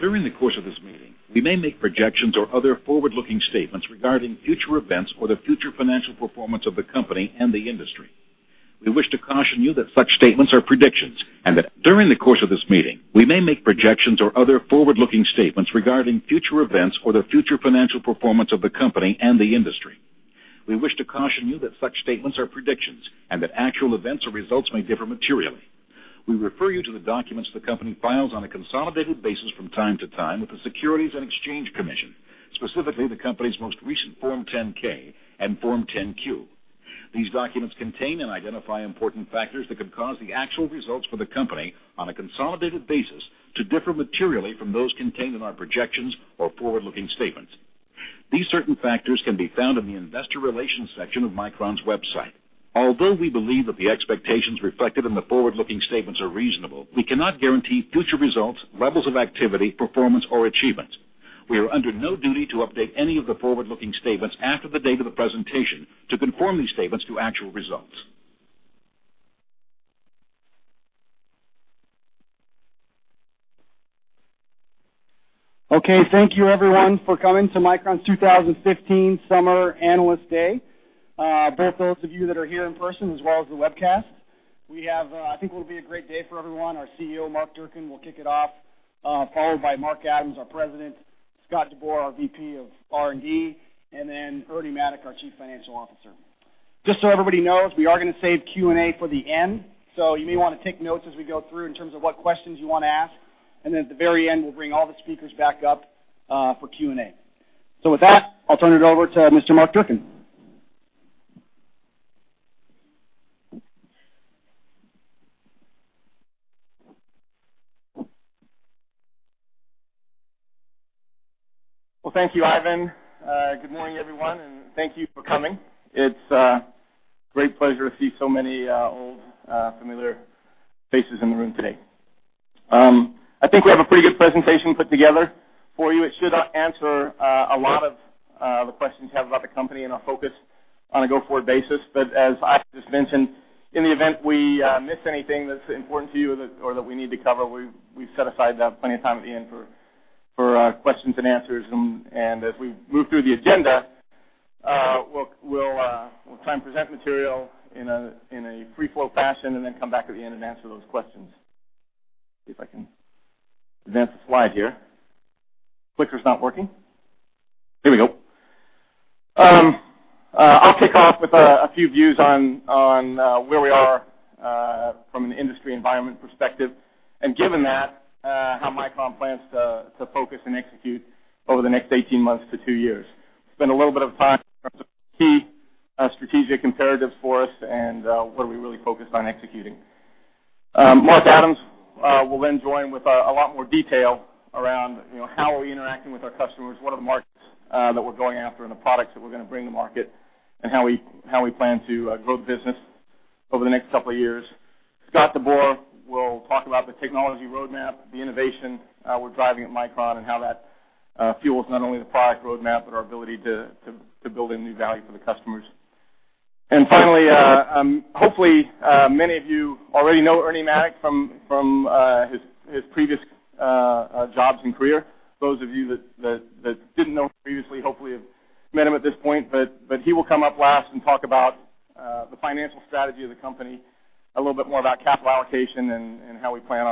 During the course of this meeting, we may make projections or other forward-looking statements regarding future events or the future financial performance of the company and the industry. We wish to caution you that such statements are predictions, and that actual events or results may differ materially. We refer you to the documents the company files on a consolidated basis from time to time with the Securities and Exchange Commission, specifically the company's most recent Form 10-K and Form 10-Q. These documents contain and identify important factors that could cause the actual results for the company on a consolidated basis to differ materially from those contained in our projections or forward-looking statements. These certain factors can be found in the investor relations section of Micron's website. Although we believe that the expectations reflected in the forward-looking statements are reasonable, we cannot guarantee future results, levels of activity, performance, or achievement. We are under no duty to update any of the forward-looking statements after the date of the presentation to conform these statements to actual results. Okay, thank you everyone for coming to Micron's 2015 Summer Analyst Day, both those of you that are here in person as well as the webcast. I think it will be a great day for everyone. Our CEO Mark Durcan will kick it off, followed by Mark Adams, our President, Scott DeBoer, our VP of R&D, and then Ernie Maddock, our Chief Financial Officer. Just so everybody knows, we are going to save Q&A for the end. You may want to take notes as we go through in terms of what questions you want to ask. At the very end, we'll bring all the speakers back up for Q&A. With that, I'll turn it over to Mr. Mark Durcan. Well, thank you, Ivan. Good morning, everyone, and thank you for coming. It's a great pleasure to see so many old familiar faces in the room today. I think we have a pretty good presentation put together for you. It should answer a lot of the questions you have about the company and our focus on a go-forward basis. As Ivan just mentioned, in the event we miss anything that's important to you or that we need to cover, we've set aside plenty of time at the end for questions and answers. As we move through the agenda, we'll try and present material in a free-flow fashion and then come back at the end and answer those questions. See if I can advance the slide here. Clicker's not working. Here we go. I'll kick off with a few views on where we are from an industry environment perspective, Given that, how Micron plans to focus and execute over the next 18 months to two years. Spend a little bit of time in terms of key strategic imperatives for us and where we really focus on executing. Mark Adams will then join with a lot more detail around how are we interacting with our customers, what are the markets that we're going after and the products that we're going to bring to market, and how we plan to grow the business over the next couple of years. Scott DeBoer will talk about the technology roadmap, the innovation we're driving at Micron, and how that fuels not only the product roadmap, but our ability to build in new value for the customers. Finally, hopefully, many of you already know Ernie Maddock from his previous jobs and career. Those of you that didn't know him previously, hopefully have met him at this point. He will come up last and talk about the financial strategy of the company, a little bit more about capital allocation, and how we plan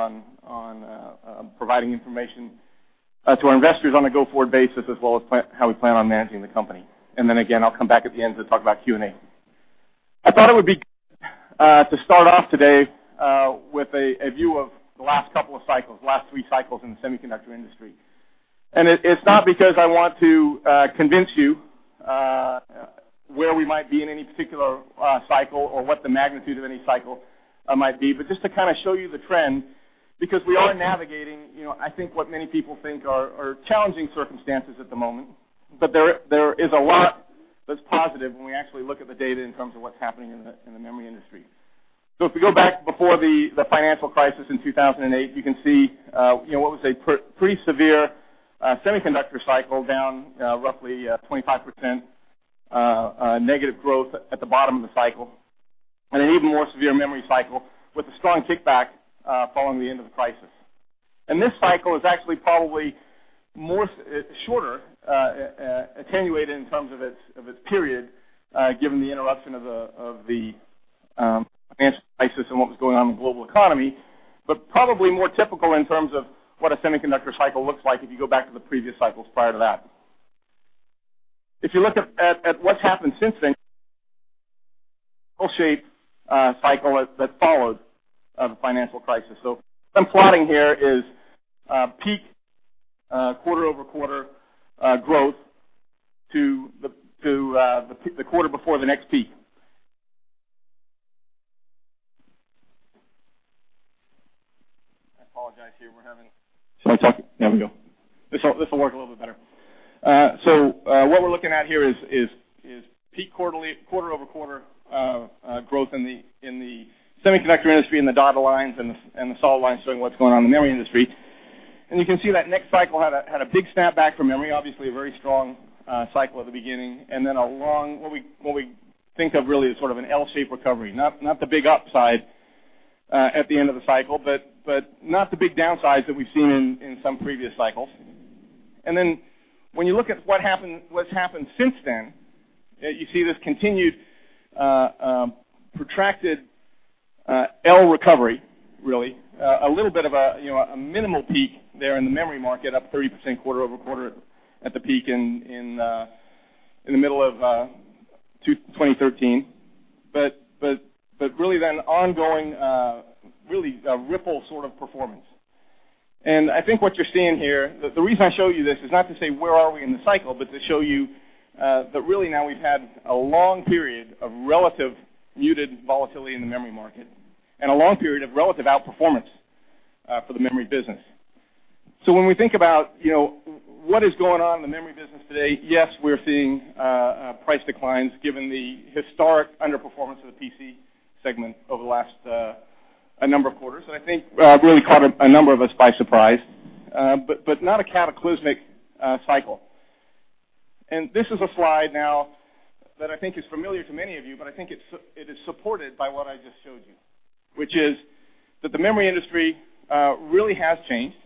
on providing information to our investors on a go-forward basis, as well as how we plan on managing the company. Again, I'll come back at the end to talk about Q&A. I thought it would be good to start off today with a view of the last couple of cycles, the last three cycles in the semiconductor industry. It's not because I want to convince you where we might be in any particular cycle or what the magnitude of any cycle might be, but just to kind of show you the trend, because we are navigating, I think what many people think are challenging circumstances at the moment. There is a lot that's positive when we actually look at the data in terms of what's happening in the memory industry. If we go back before the financial crisis in 2008, you can see what was a pretty severe semiconductor cycle, down roughly 25% negative growth at the bottom of the cycle, and an even more severe memory cycle with a strong kickback following the end of the crisis. This cycle is actually probably shorter, attenuated in terms of its period, given the interruption of the financial crisis and what was going on in the global economy, but probably more typical in terms of what a semiconductor cycle looks like if you go back to the previous cycles prior to that. If you look at what's happened since then, L-shaped cycle that followed the financial crisis. What I'm plotting here is peak quarter-over-quarter growth to the quarter before the next peak. I apologize here. There we go. This will work a little bit better. What we're looking at here is peak quarter-over-quarter growth in the semiconductor industry in the dotted lines, and the solid lines showing what's going on in the memory industry. You can see that next cycle had a big snapback from memory, obviously a very strong cycle at the beginning, then a long, what we think of really as sort of an L-shaped recovery. Not the big upside At the end of the cycle, not the big downsides that we've seen in some previous cycles. When you look at what's happened since then, you see this continued protracted L recovery, really. A little bit of a minimal peak there in the memory market, up 30% quarter-over-quarter at the peak in the middle of 2013. Really then ongoing, really a ripple sort of performance. I think what you're seeing here, the reason I show you this is not to say where are we in the cycle, but to show you that really now we've had a long period of relative muted volatility in the memory market and a long period of relative outperformance for the memory business. When we think about what is going on in the memory business today, yes, we're seeing price declines given the historic underperformance of the PC segment over the last a number of quarters. I think really caught a number of us by surprise, but not a cataclysmic cycle. This is a slide now that I think is familiar to many of you, but I think it is supported by what I just showed you, which is that the memory industry really has changed.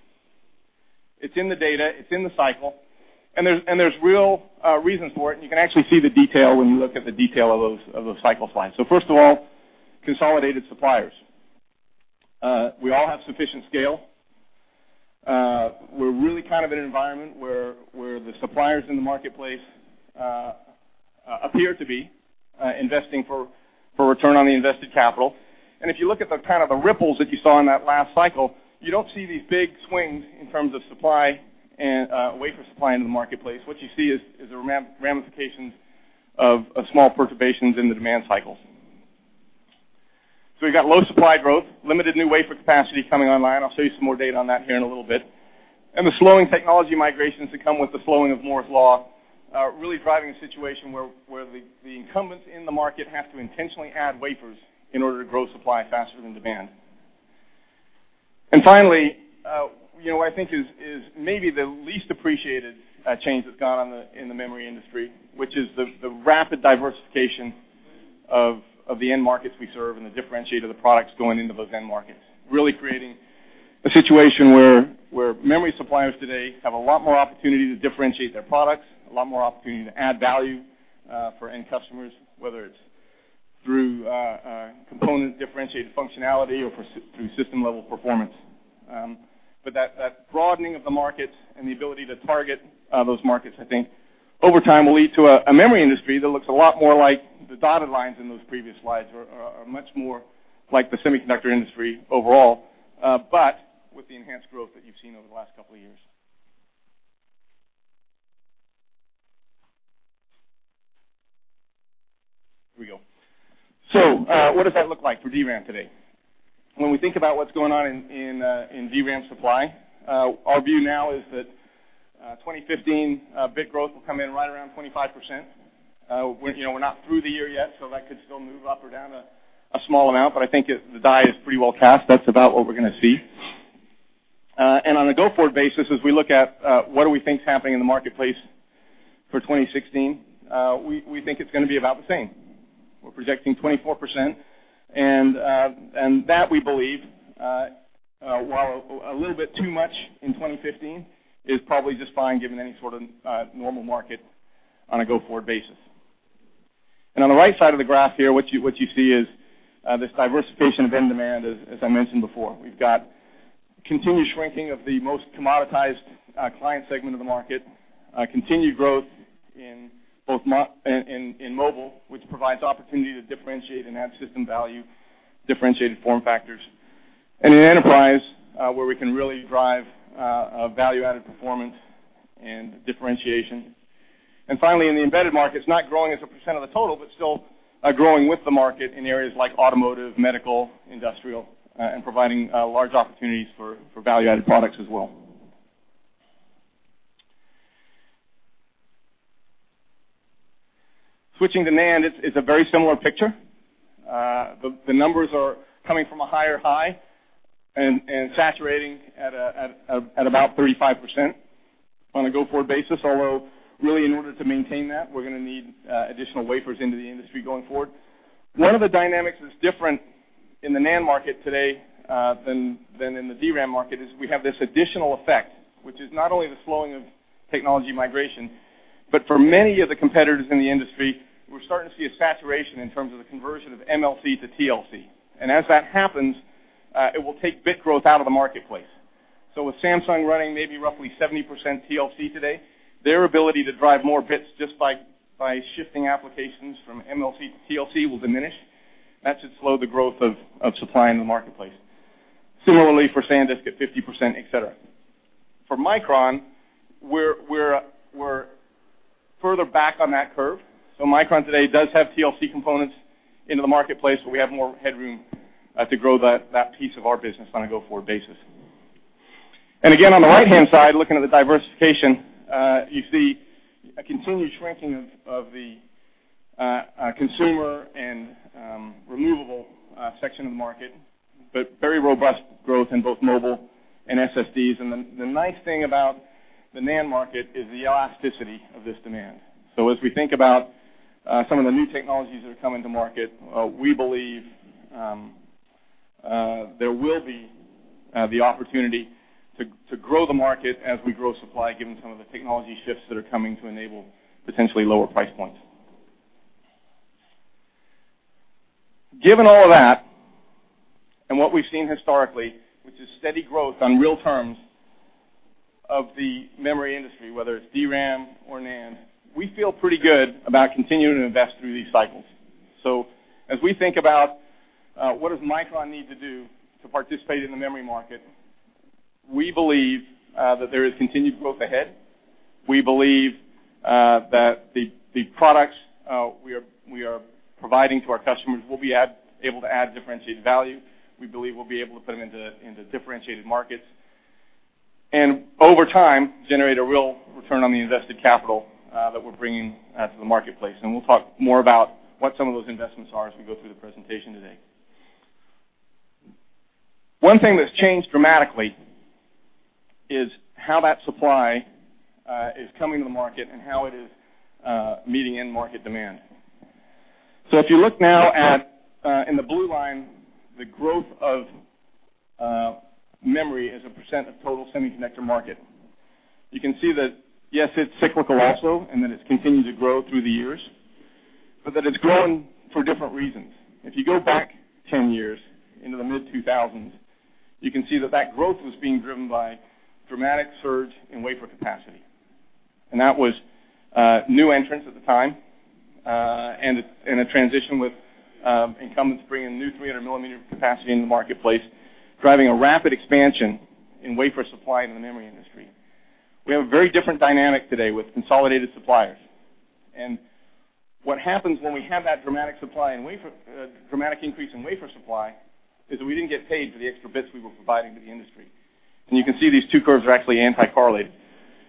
It's in the data, it's in the cycle, and there's real reasons for it, and you can actually see the detail when you look at the detail of those cycle slides. First of all, consolidated suppliers. We all have sufficient scale. We're really kind of in an environment where the suppliers in the marketplace appear to be investing for return on the invested capital. If you look at the kind of the ripples that you saw in that last cycle, you don't see these big swings in terms of wafer supply in the marketplace. What you see is the ramifications of small perturbations in the demand cycles. We've got low supply growth, limited new wafer capacity coming online. I'll show you some more data on that here in a little bit. The slowing technology migrations that come with the slowing of Moore's Law, really driving a situation where the incumbents in the market have to intentionally add wafers in order to grow supply faster than demand. Finally, what I think is maybe the least appreciated change that's gone on in the memory industry, which is the rapid diversification of the end markets we serve and the differentiation of the products going into those end markets. Really creating a situation where memory suppliers today have a lot more opportunity to differentiate their products, a lot more opportunity to add value for end customers, whether it's through component-differentiated functionality or through system-level performance. That broadening of the markets and the ability to target those markets, I think over time, will lead to a memory industry that looks a lot more like the dotted lines in those previous slides or much more like the semiconductor industry overall, but with the enhanced growth that you've seen over the last couple of years. Here we go. What does that look like for DRAM today? When we think about what's going on in DRAM supply, our view now is that 2015 bit growth will come in right around 25%. We're not through the year yet, so that could still move up or down a small amount, but I think the die is pretty well cast. That's about what we're going to see. On a go-forward basis, as we look at what do we think is happening in the marketplace for 2016, we think it's going to be about the same. We're projecting 24%, and that we believe, while a little bit too much in 2015, is probably just fine given any sort of normal market on a go-forward basis. On the right side of the graph here, what you see is this diversification of end demand, as I mentioned before. We've got continued shrinking of the most commoditized client segment of the market, continued growth in mobile, which provides opportunity to differentiate and add system value, differentiated form factors. In enterprise, where we can really drive value-added performance and differentiation. Finally, in the embedded markets, not growing as a % of the total, but still growing with the market in areas like automotive, medical, industrial, and providing large opportunities for value-added products as well. Switching to NAND, it's a very similar picture. The numbers are coming from a higher high and saturating at about 35% on a go-forward basis. Although, really, in order to maintain that, we're going to need additional wafers into the industry going forward. One of the dynamics that's different in the NAND market today than in the DRAM market is we have this additional effect, which is not only the slowing of technology migration, but for many of the competitors in the industry, we're starting to see a saturation in terms of the conversion of MLC to TLC. As that happens, it will take bit growth out of the marketplace. With Samsung running maybe roughly 70% TLC today, their ability to drive more bits just by shifting applications from MLC to TLC will diminish. That should slow the growth of supply in the marketplace. Similarly for SanDisk at 50%, et cetera. For Micron, we're further back on that curve. Micron today does have TLC components into the marketplace, so we have more headroom to grow that piece of our business on a go-forward basis. Again, on the right-hand side, looking at the diversification, you see a continued shrinking of the consumer and removable section of the market, but very robust growth in both mobile and SSDs. The nice thing about the NAND market is the elasticity of this demand. As we think about some of the new technologies that are coming to market, we believe there will be the opportunity to grow the market as we grow supply, given some of the technology shifts that are coming to enable potentially lower price points. Given all of that, and what we've seen historically, which is steady growth on real terms of the memory industry, whether it's DRAM or NAND, we feel pretty good about continuing to invest through these cycles. As we think about what does Micron need to do to participate in the memory market, we believe that there is continued growth ahead. We believe that the products we are providing to our customers will be able to add differentiated value. We believe we'll be able to put them into differentiated markets. Over time, generate a real return on the invested capital that we're bringing to the marketplace. We'll talk more about what some of those investments are as we go through the presentation today. One thing that's changed dramatically is how that supply is coming to the market and how it is meeting end market demand. If you look now at, in the blue line, the growth of memory as a percent of total semiconductor market, you can see that, yes, it's cyclical also and that it's continued to grow through the years, but that it's grown for different reasons. If you go back 10 years into the mid-2000s, you can see that growth was being driven by a dramatic surge in wafer capacity. That was new entrants at the time, and a transition with incumbents bringing new 300 millimeter capacity in the marketplace, driving a rapid expansion in wafer supply in the memory industry. We have a very different dynamic today with consolidated suppliers. What happens when we have that dramatic increase in wafer supply is that we didn't get paid for the extra bits we were providing to the industry. You can see these two curves are actually anti-correlated.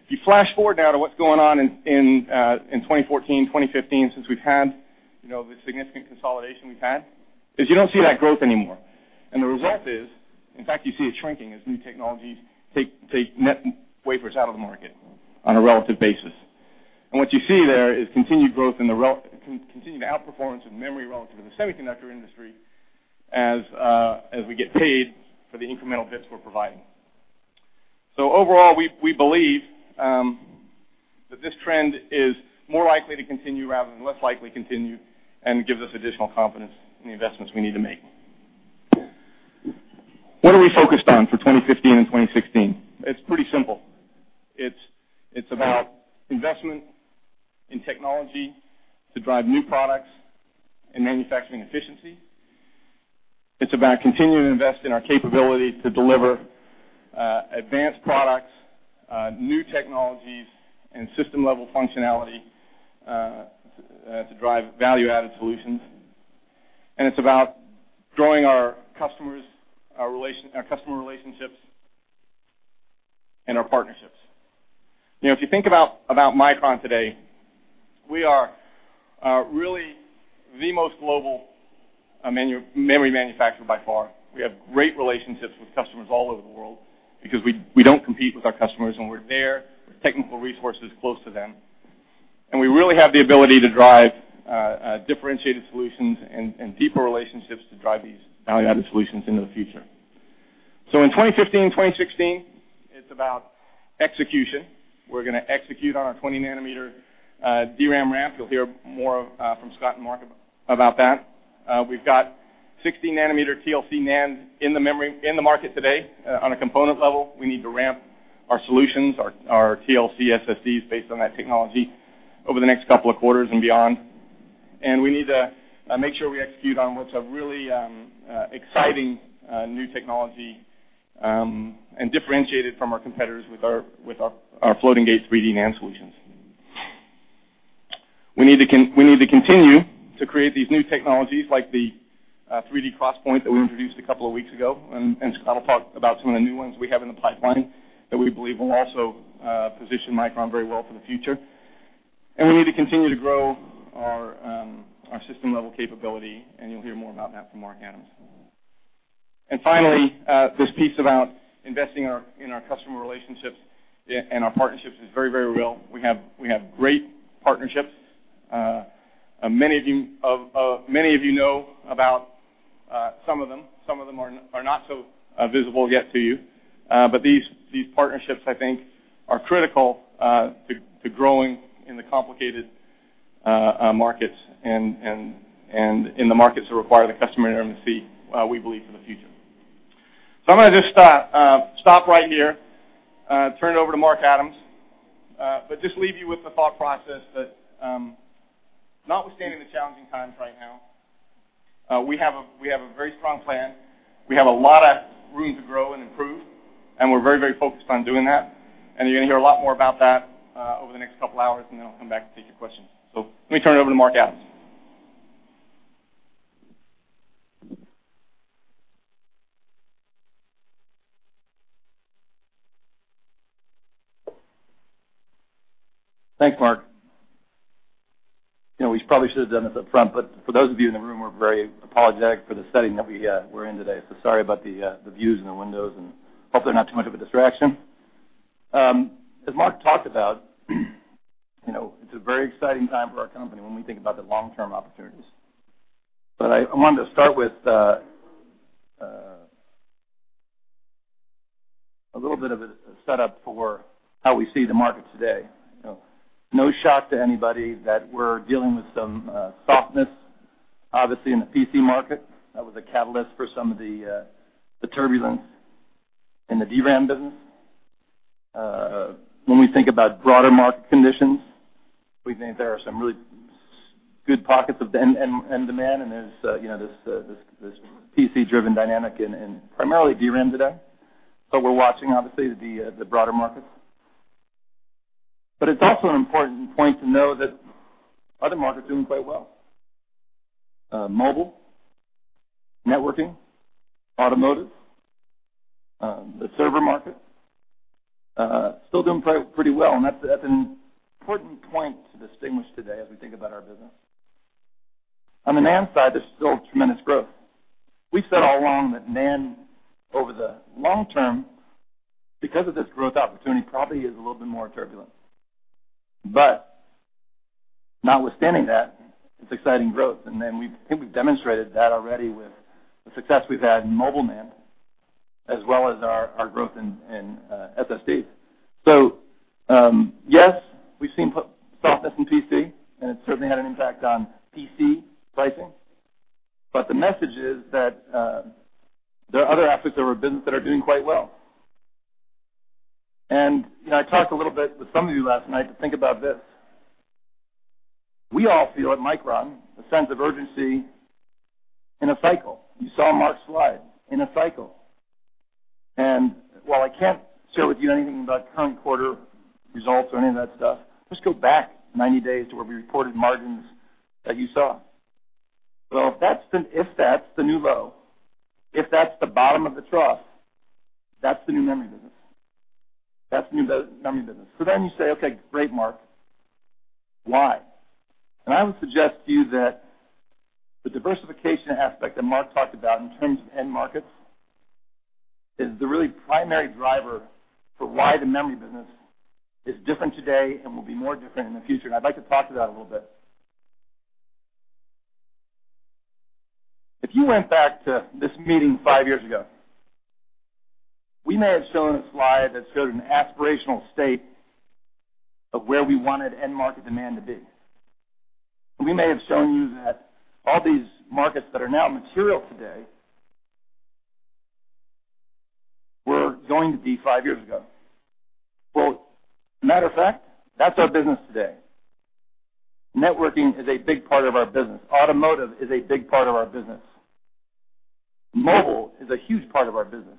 If you flash forward now to what's going on in 2014, 2015, since we've had the significant consolidation we've had, is you don't see that growth anymore. The result is, in fact, you see it shrinking as new technologies take net wafers out of the market on a relative basis. What you see there is continued outperformance of memory relative to the semiconductor industry as we get paid for the incremental bits we're providing. Overall, we believe that this trend is more likely to continue rather than less likely to continue and gives us additional confidence in the investments we need to make. What are we focused on for 2015 and 2016? It's pretty simple. It's about investment in technology to drive new products and manufacturing efficiency. It's about continuing to invest in our capability to deliver advanced products, new technologies, and system-level functionality to drive value-added solutions. It's about growing our customer relationships and our partnerships. If you think about Micron today, we are really the most global memory manufacturer by far. We have great relationships with customers all over the world because we don't compete with our customers when we're there with technical resources close to them. We really have the ability to drive differentiated solutions and deeper relationships to drive these value-added solutions into the future. In 2015, 2016, it's about execution. We're going to execute on our 20nm DRAM ramp. You'll hear more from Scott and Mark about that. We've got 16nm TLC NAND in the market today. On a component level, we need to ramp our solutions, our TLC SSDs based on that technology over the next couple of quarters and beyond. We need to make sure we execute on what's a really exciting new technology and differentiate it from our competitors with our floating-gate 3D NAND solutions. We need to continue to create these new technologies like the 3D XPoint that we introduced a couple of weeks ago, Scott will talk about some of the new ones we have in the pipeline that we believe will also position Micron very well for the future. We need to continue to grow our system-level capability, and you'll hear more about that from Mark Adams. Finally, this piece about investing in our customer relationships and our partnerships is very, very real. We have great partnerships. Many of you know about some of them. Some of them are not so visible yet to you. These partnerships, I think, are critical to growing in the complicated markets and in the markets that require the customer intimacy, we believe, for the future. I'm going to just stop right here, turn it over to Mark Adams, but just leave you with the thought process that notwithstanding the challenging times right now, we have a very strong plan. We have a lot of room to grow and improve, and we're very focused on doing that. You're going to hear a lot more about that over the next couple of hours, and then I'll come back to take your questions. Let me turn it over to Mark Adams. Thanks, Mark. We probably should have done this up front, but for those of you in the room, we're very apologetic for the setting that we're in today. Sorry about the views and the windows, and hopefully not too much of a distraction. As Mark talked about, it's a very exciting time for our company when we think about the long-term opportunities. I wanted to start with a little bit of a setup for how we see the market today. No shock to anybody that we're dealing with some softness, obviously, in the PC market. That was a catalyst for some of the turbulence in the DRAM business. When we think about broader market conditions, we think there are some really good pockets of end demand, and there's this PC-driven dynamic in primarily DRAM today. We're watching, obviously, the broader markets. It's also an important point to know that other markets are doing quite well. Mobile, networking, automotive, the server market, still doing pretty well, and that's an important point to distinguish today as we think about our business. On the NAND side, there's still tremendous growth. We've said all along that NAND, over the long term, because of this growth opportunity, probably is a little bit more turbulent. Notwithstanding that, it's exciting growth. We think we've demonstrated that already with the success we've had in mobile NAND, as well as our growth in SSD. Yes, we've seen softness in PC, and it's certainly had an impact on PC pricing. The message is that there are other aspects of our business that are doing quite well. I talked a little bit with some of you last night to think about this. We all feel at Micron a sense of urgency in a cycle. You saw Mark's slide, in a cycle. While I can't share with you anything about current quarter results or any of that stuff, just go back 90 days to where we reported margins that you saw. Well, if that's the new low, if that's the bottom of the trough, that's the new memory business. You say, "Okay, great, Mark. Why?" I would suggest to you that the diversification aspect that Mark talked about in terms of end markets is the really primary driver for why the memory business is different today and will be more different in the future. I'd like to talk to that a little bit. If you went back to this meeting five years ago, we may have shown a slide that showed an aspirational state of where we wanted end market demand to be. We may have shown you that all these markets that are now material today were going to be five years ago. Well, matter of fact, that's our business today. Networking is a big part of our business. Automotive is a big part of our business. Mobile is a huge part of our business.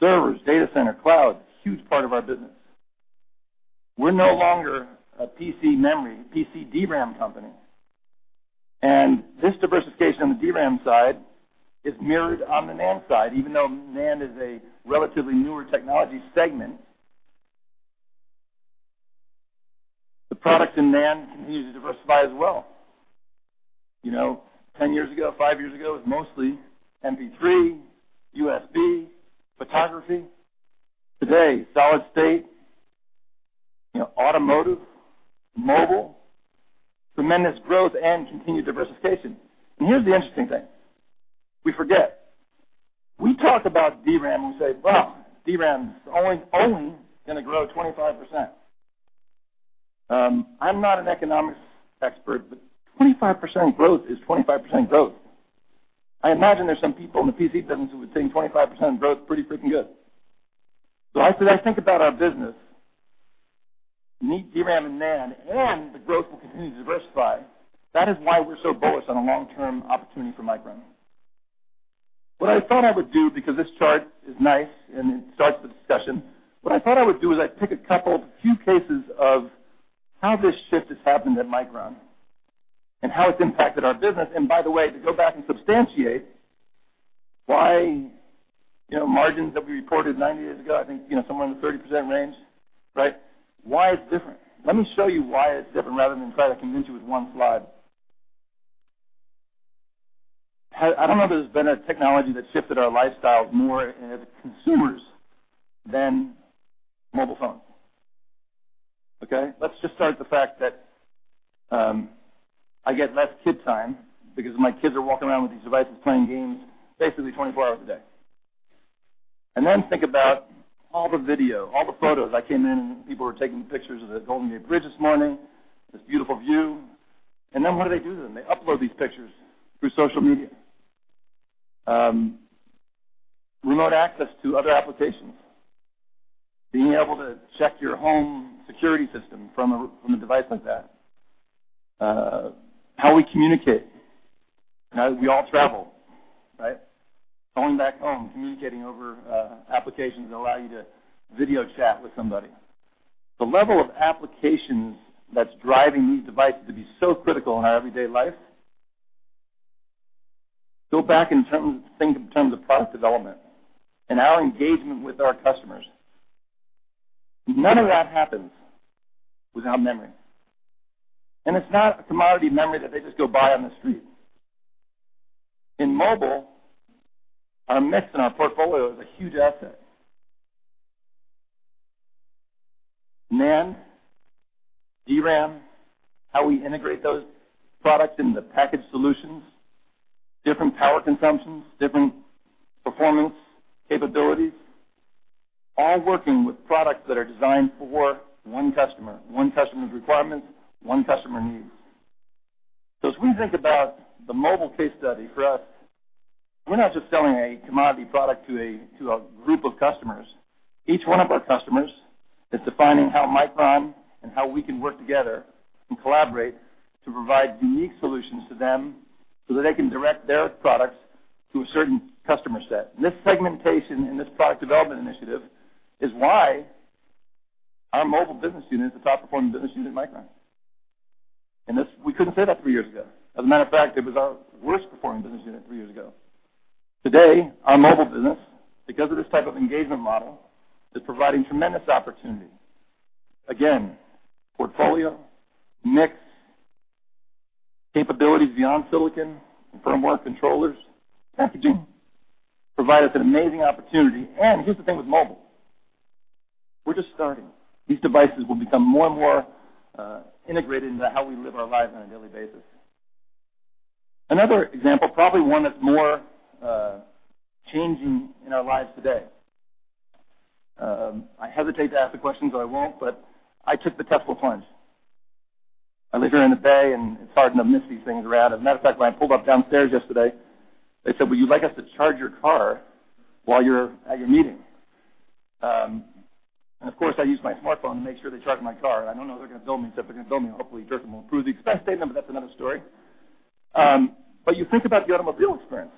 Servers, data center, cloud, huge part of our business. We're no longer a PC memory, PC DRAM company. This diversification on the DRAM side is mirrored on the NAND side. Even though NAND is a relatively newer technology segment, the products in NAND continue to diversify as well. 10 years ago, five years ago, it was mostly MP3, USB, photography. Today, solid state, automotive, mobile, tremendous growth and continued diversification. Here's the interesting thing. We forget. We talk about DRAM, we say, "Well, DRAM's only going to grow 25%." I'm not an economics expert, 25% growth is 25% growth. I imagine there's some people in the PC business who would think 25% growth pretty freaking good. As I think about our business, meet DRAM and NAND, and the growth will continue to diversify, that is why we're so bullish on a long-term opportunity for Micron. What I thought I would do, because this chart is nice and it starts the discussion, what I thought I would do is I'd pick a couple, few cases of how this shift has happened at Micron and how it's impacted our business. By the way, to go back and substantiate why margins that we reported 90 days ago, I think, somewhere in the 30% range. Why it's different. Let me show you why it's different rather than try to convince you with one slide. I don't know if there's been a technology that's shifted our lifestyles more as consumers than mobile phones. Okay. Let's just start with the fact that I get less kid time because my kids are walking around with these devices playing games basically 24 hours a day. Then think about all the video, all the photos. I came in and people were taking pictures of the Golden Gate Bridge this morning, this beautiful view. Then what do they do to them. They upload these pictures through social media. Remote access to other applications, being able to check your home security system from a device like that. How we communicate. I know you all travel, right. Going back home, communicating over applications that allow you to video chat with somebody. The level of applications that's driving these devices to be so critical in our everyday life, go back in terms of product development and our engagement with our customers. None of that happens without memory. It's not a commodity memory that they just go buy on the street. In mobile, our mix and our portfolio is a huge asset. NAND, DRAM, how we integrate those products into packaged solutions, different power consumptions, different performance capabilities, all working with products that are designed for one customer, one customer's requirements, one customer needs. As we think about the mobile case study, for us, we're not just selling a commodity product to a group of customers. Each one of our customers is defining how Micron and how we can work together and collaborate to provide unique solutions to them so that they can direct their products to a certain customer set. This segmentation and this product development initiative is why our mobile business unit is the top-performing business unit at Micron. We couldn't say that three years ago. As a matter of fact, it was our worst-performing business unit three years ago. Today, our mobile business, because of this type of engagement model, is providing tremendous opportunity. Again, portfolio, mix, capabilities beyond silicon and firmware controllers, packaging provide us an amazing opportunity. Here's the thing with mobile. We're just starting. These devices will become more and more integrated into how we live our lives on a daily basis. Another example, probably one that's more changing in our lives today. I hesitate to ask the question, I won't, but I took the Tesla plunge. I live here in the Bay, it's hard to miss these things around. As a matter of fact, when I pulled up downstairs yesterday, they said, "Would you like us to charge your car while you're at your meeting?" Of course, I used my smartphone to make sure they charged my car, I don't know if they're going to bill me. If they're going to bill me, hopefully Juergen will approve the expense statement, that's another story. You think about the automobile experience.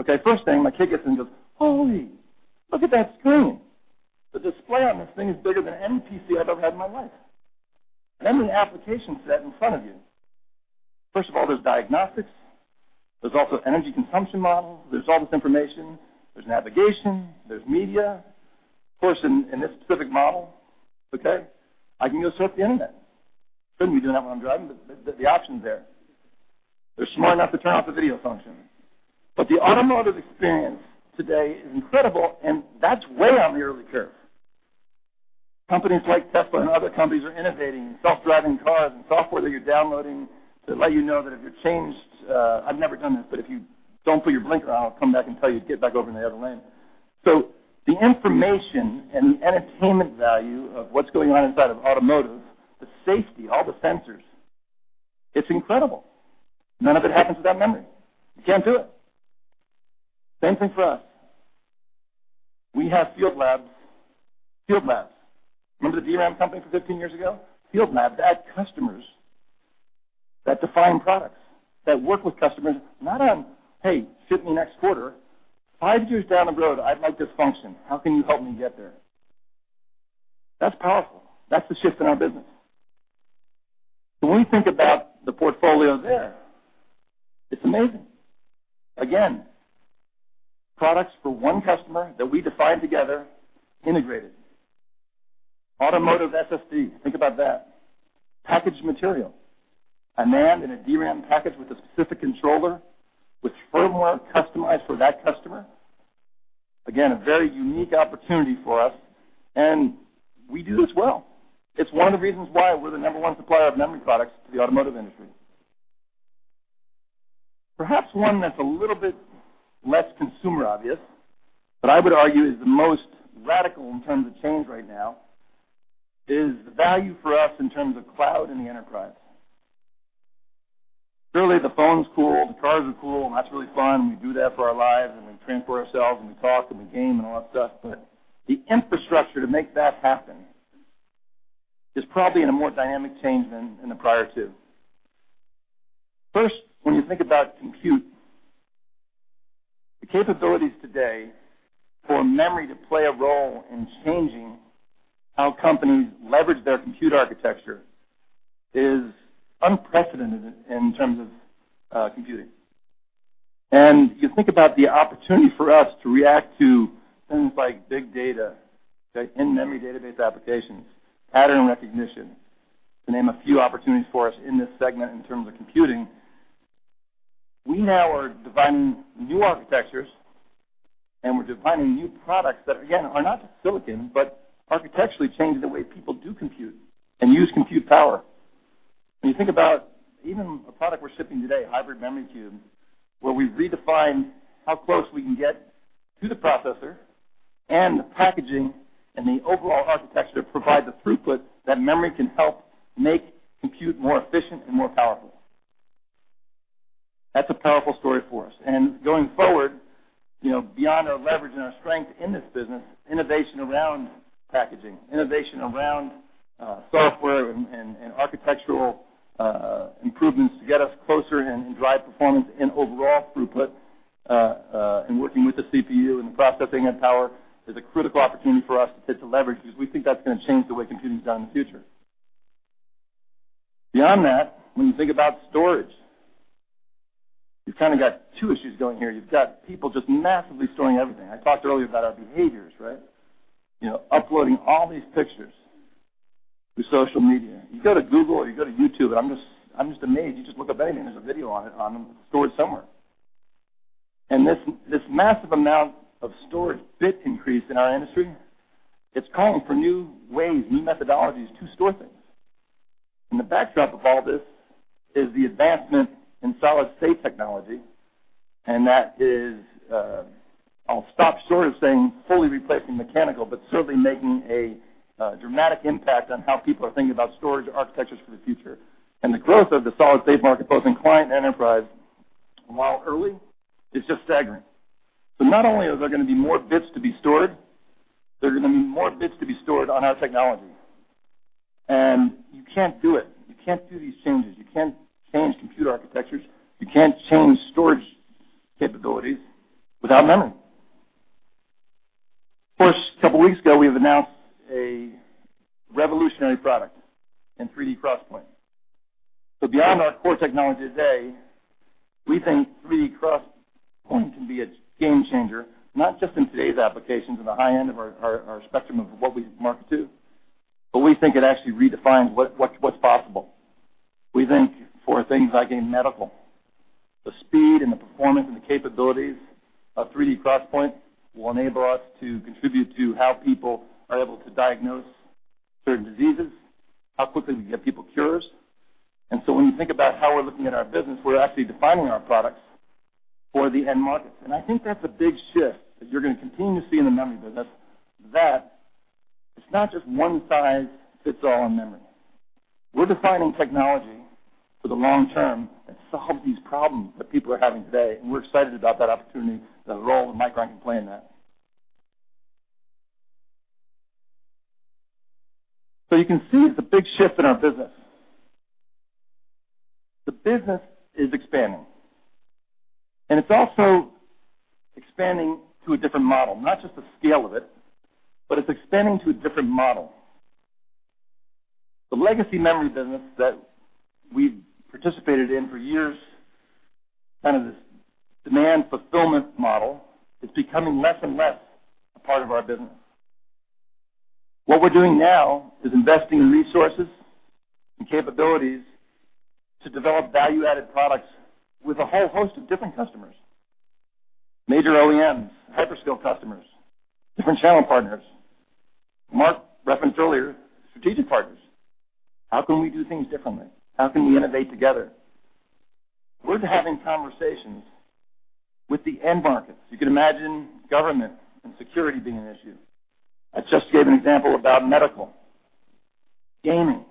Okay, first thing, my kid gets in and goes, "Holy. Look at that screen. The display on this thing is bigger than any PC I've ever had in my life. Then the applications set in front of you. First of all, there's diagnostics. There's also energy consumption models. There's all this information. There's navigation. There's media. Of course, in this specific model, okay, I can go surf the Internet. Shouldn't be doing that while I'm driving, but the option's there. They're smart enough to turn off the video function. The automotive experience today is incredible, and that's way on the early curve. Companies like Tesla and other companies are innovating in self-driving cars and software that you're downloading to let you know that if you've changed I've never done this, but if you don't put your blinker on, it'll come back and tell you to get back over in the other lane. The information and the entertainment value of what's going on inside of automotive, the safety, all the sensors, it's incredible. None of it happens without memory. You can't do it. Same thing for us. We have field labs. Field labs. Remember the DRAM company from 15 years ago? Field labs to add customers that define products, that work with customers, not on, "Hey, ship me next quarter. Five years down the road, I'd like this function. How can you help me get there?" That's powerful. That's the shift in our business. When we think about the portfolio there, it's amazing. Again, products for one customer that we define together, integrated. Automotive SSD, think about that. Packaged material. A NAND and a DRAM package with a specific controller with firmware customized for that customer. Again, a very unique opportunity for us, and we do this well. It's one of the reasons why we're the number 1 supplier of memory products to the automotive industry. Perhaps one that's a little bit less consumer-obvious, but I would argue is the most radical in terms of change right now, is the value for us in terms of cloud in the enterprise. Surely, the phone's cool, the cars are cool, and that's really fun, and we do that for our lives, and we transport ourselves, and we talk, and we game, and all that stuff, but the infrastructure to make that happen is probably in a more dynamic change than in the prior 2. First, when you think about compute, the capabilities today for memory to play a role in changing how companies leverage their compute architecture is unprecedented in terms of computing. You think about the opportunity for us to react to things like big data, in-memory database applications, pattern recognition, to name a few opportunities for us in this segment in terms of computing. We now are designing new architectures, and we're designing new products that, again, are not just silicon, but architecturally changing the way people do compute and use compute power. When you think about even a product we're shipping today, Hybrid Memory Cube, where we've redefined how close we can get to the processor, and the packaging and the overall architecture provide the throughput that memory can help make compute more efficient and more powerful. That's a powerful story for us. Going forward, beyond our leverage and our strength in this business, innovation around packaging, innovation around software and architectural improvements to get us closer and drive performance and overall throughput in working with the CPU and the processing and power is a critical opportunity for us to leverage because we think that's going to change the way computing's done in the future. Beyond that, when you think about storage, you've kind of got two issues going here. You've got people just massively storing everything. I talked earlier about our behaviors, right? Uploading all these pictures through social media. You go to Google or you go to YouTube, I'm just amazed. You just look up anything, there's a video on it stored somewhere. This massive amount of storage bit increase in our industry, it's calling for new ways, new methodologies to store things. The backdrop of all this is the advancement in solid-state technology, that is, I'll stop short of saying fully replacing mechanical, but certainly making a dramatic impact on how people are thinking about storage architectures for the future. The growth of the solid-state market, both in client and enterprise, while early, is just staggering. Not only are there going to be more bits to be stored, there are going to be more bits to be stored on our technology. You can't do it. You can't do these changes. You can't change computer architectures. You can't change storage capabilities without memory. Of course, a couple of weeks ago, we have announced a revolutionary product in 3D XPoint. Beyond our core technology today, we think 3D XPoint can be a game changer, not just in today's applications at the high end of our spectrum of what we market to, but we think it actually redefines what's possible. We think for things like in medical, the speed and the performance and the capabilities of 3D XPoint will enable us to contribute to how people are able to diagnose certain diseases, how quickly we can get people cures. When you think about how we're looking at our business, we're actually defining our products for the end markets. I think that's a big shift that you're going to continue to see in the memory business, that it's not just one size fits all in memory. We're defining technology for the long term that solves these problems that people are having today, and we're excited about that opportunity, the role that Micron can play in that. You can see the big shift in our business. The business is expanding, and it's also expanding to a different model, not just the scale of it, but it's expanding to a different model. The legacy memory business that we've participated in for years, kind of this demand fulfillment model, it's becoming less and less a part of our business. What we're doing now is investing in resources and capabilities to develop value-added products with a whole host of different customers, major OEMs, hyperscale customers, different channel partners. Mark referenced earlier, strategic partners. How can we do things differently? How can we innovate together? We're having conversations with the end markets. You could imagine government and security being an issue. I just gave an example about medical. Gaming.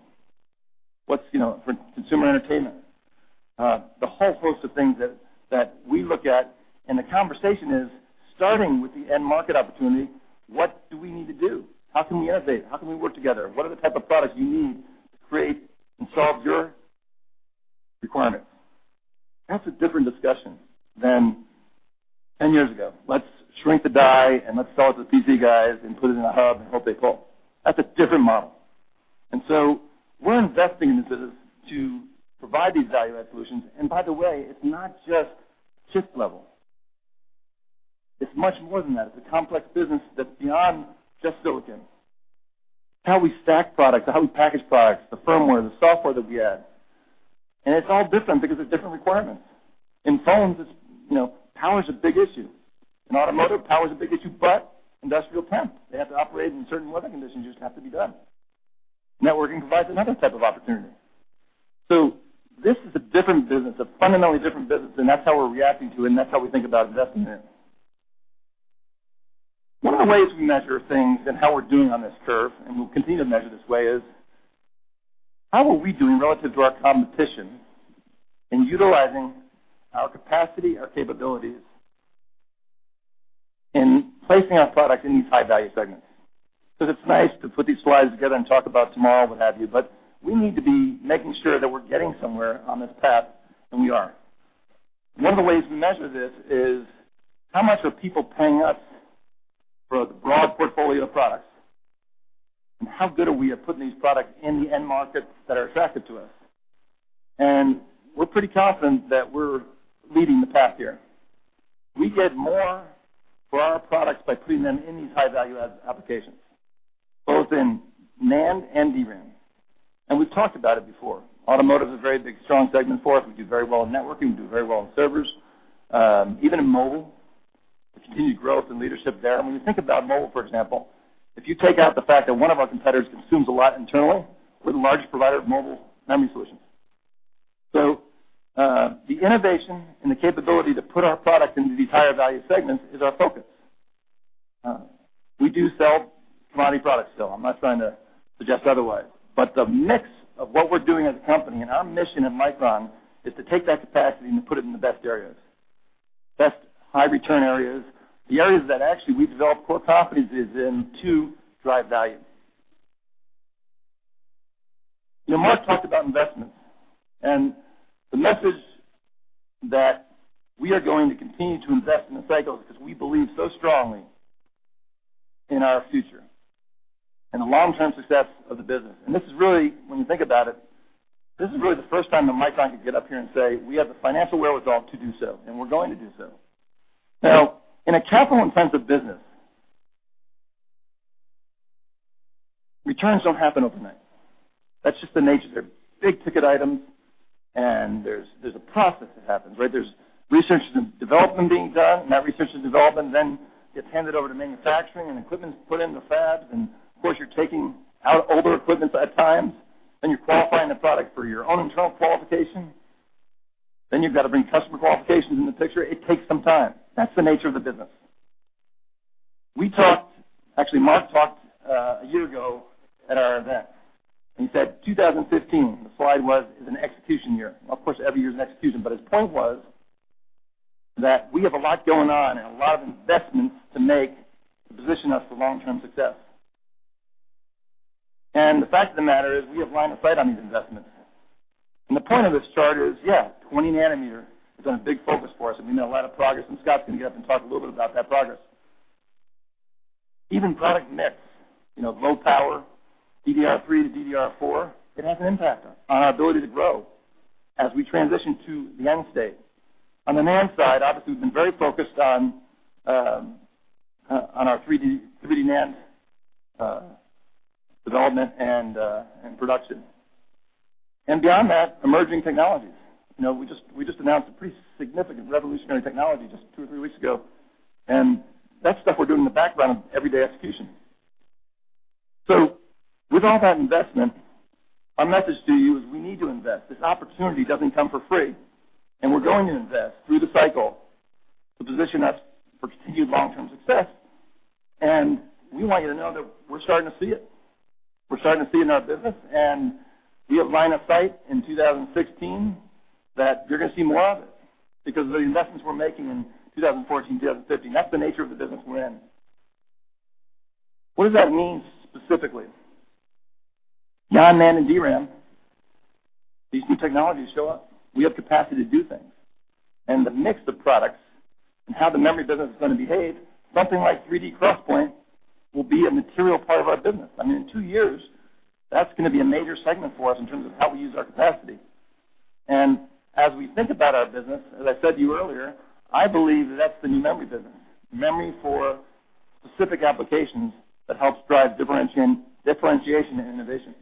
What's for consumer entertainment? The whole host of things that we look at, the conversation is starting with the end market opportunity, what do we need to do? How can we innovate? How can we work together? What are the type of products you need to create and solve your requirements? That's a different discussion than 10 years ago. Let's shrink the die, and let's sell it to PC guys and put it in a hub and hope they call. That's a different model. We're investing in this business to provide these value-add solutions, and by the way, it's not just chip level. It's much more than that. It's a complex business that's beyond just silicon. It's how we stack products, how we package products, the firmware, the software that we add. It's all different because of different requirements. In phones, power is a big issue. In automotive, power is a big issue, but industrial temp. They have to operate in certain weather conditions, just have to be done. Networking provides another type of opportunity. This is a different business, a fundamentally different business, and that's how we're reacting to it, and that's how we think about investing in it. One of the ways we measure things and how we're doing on this curve, and we'll continue to measure this way, is how are we doing relative to our competition in utilizing our capacity, our capabilities in placing our product in these high-value segments? It's nice to put these slides together and talk about tomorrow, what have you, but we need to be making sure that we're getting somewhere on this path, and we are. One of the ways we measure this is how much are people paying us for a broad portfolio of products, and how good are we at putting these products in the end markets that are attractive to us? We're pretty confident that we're leading the pack here. We get more for our products by putting them in these high-value-add applications, both in NAND and DRAM. We've talked about it before. Automotive is a very big, strong segment for us. We do very well in networking. We do very well in servers. Even in mobile, the continued growth and leadership there. When you think about mobile, for example, if you take out the fact that one of our competitors consumes a lot internally, we're the largest provider of mobile memory solutions. The innovation and the capability to put our product into these higher value segments is our focus. We do sell commodity products still. I'm not trying to suggest otherwise. The mix of what we're doing as a company and our mission at Micron is to take that capacity and put it in the best areas, best high-return areas, the areas that actually we develop core properties is in to drive value. Mark talked about investments and the message that we are going to continue to invest in the cycle because we believe so strongly in our future and the long-term success of the business. This is really, when you think about it, this is really the first time that Micron could get up here and say, we have the financial wherewithal to do so, and we're going to do so. In a capital-intensive business, returns don't happen overnight. That's just the nature. They're big-ticket items, and there's a process that happens, right? There's research and development being done, and that research and development then gets handed over to manufacturing, and equipment's put in the fabs. Of course, you're taking out older equipment at times. You're qualifying the product for your own internal qualification. You've got to bring customer qualifications in the picture. It takes some time. That's the nature of the business. We talked, actually, Mark talked a year ago at our event, and he said 2015, the slide was, is an execution year. Of course, every year is an execution, but his point was that we have a lot going on and a lot of investments to make to position us for long-term success. The fact of the matter is, we have line of sight on these investments. The point of this chart is, yeah, 20 nanometer has been a big focus for us, and we made a lot of progress, and Scott's going to get up and talk a little bit about that progress. Even product mix, low power, DDR3 to DDR4, it has an impact on our ability to grow as we transition to the end state. On the NAND side, obviously, we've been very focused on our 3D NAND development and production. Beyond that, emerging technologies. We just announced a pretty significant revolutionary technology just two or three weeks ago, and that's stuff we're doing in the background of everyday execution. With all that investment, our message to you is we need to invest. This opportunity doesn't come for free, and we're going to invest through the cycle to position us for continued long-term success. We want you to know that we're starting to see it. We're starting to see it in our business, and we have line of sight in 2016 that you're going to see more of it because of the investments we're making in 2014, 2015. That's the nature of the business we're in. What does that mean specifically? NAND, and DRAM. These new technologies show up. We have capacity to do things. The mix of products and how the memory business is going to behave, something like 3D XPoint will be a material part of our business. In two years, that's going to be a major segment for us in terms of how we use our capacity. As we think about our business, as I said to you earlier, I believe that's the new memory business, memory for specific applications that helps drive differentiation and innovation.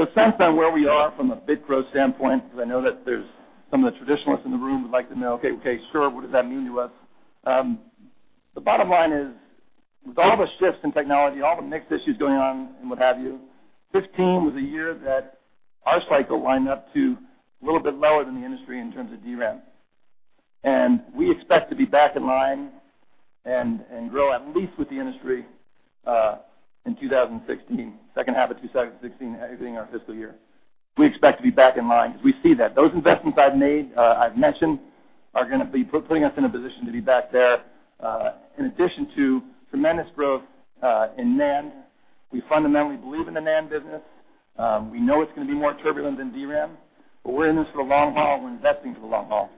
It sounds on where we are from a bit growth standpoint, because I know that there's some of the traditionalists in the room who would like to know, okay, sure, what does that mean to us? The bottom line is, with all the shifts in technology, all the mix issues going on and what have you, 2015 was a year that our cycle lined up to a little bit lower than the industry in terms of DRAM. We expect to be back in line and grow at least with the industry in 2016, second half of 2016, everything in our fiscal year. We expect to be back in line because we see that. Those investments I've mentioned are going to be putting us in a position to be back there. In addition to tremendous growth in NAND, we fundamentally believe in the NAND business. We know it's going to be more turbulent than DRAM, we're in this for the long haul. We're investing for the long haul.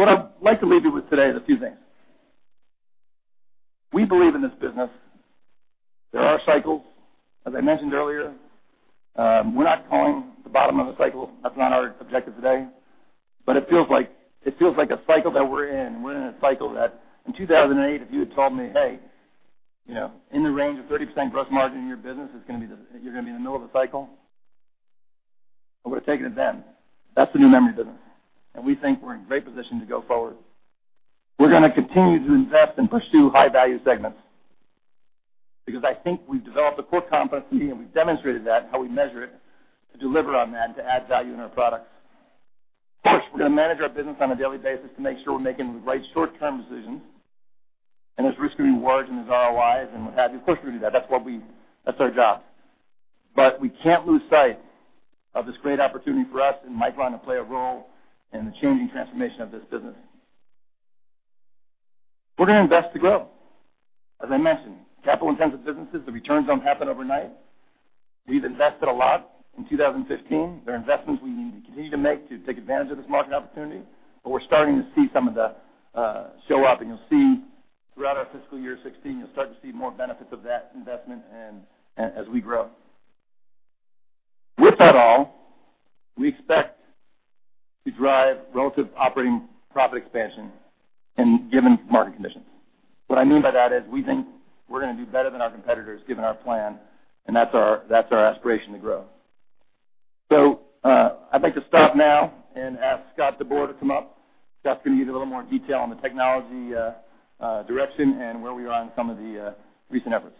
What I'd like to leave you with today is a few things. We believe in this business. There are cycles, as I mentioned earlier. We're not calling the bottom of a cycle. That's not our objective today. It feels like a cycle that we're in. We're in a cycle that in 2008, if you had told me, hey, in the range of 30% gross margin in your business, you're going to be in the middle of a cycle, I would have taken it then. That's the new memory business. We think we're in great position to go forward. We're going to continue to invest and pursue high-value segments because I think we've developed a core competency, and we've demonstrated that in how we measure it to deliver on that and to add value in our products. Of course, we're going to manage our business on a daily basis to make sure we're making the right short-term decisions, there's risk and rewards, there's ROIs and what have you. Of course, we do that. That's our job. We can't lose sight of this great opportunity for us and Micron to play a role in the changing transformation of this business. We're going to invest to grow. As I mentioned, capital-intensive businesses, the returns don't happen overnight. We've invested a lot in 2015. There are investments we need to continue to make to take advantage of this market opportunity, we're starting to see some of that show up, you'll see throughout our fiscal year 2016, you'll start to see more benefits of that investment and as we grow. With that all, we expect to drive relative operating profit expansion given market conditions. What I mean by that is we think we're going to do better than our competitors, given our plan, that's our aspiration to grow. I'd like to stop now and ask Scott DeBoer to come up. Scott's going to give you a little more detail on the technology direction and where we are on some of the recent efforts.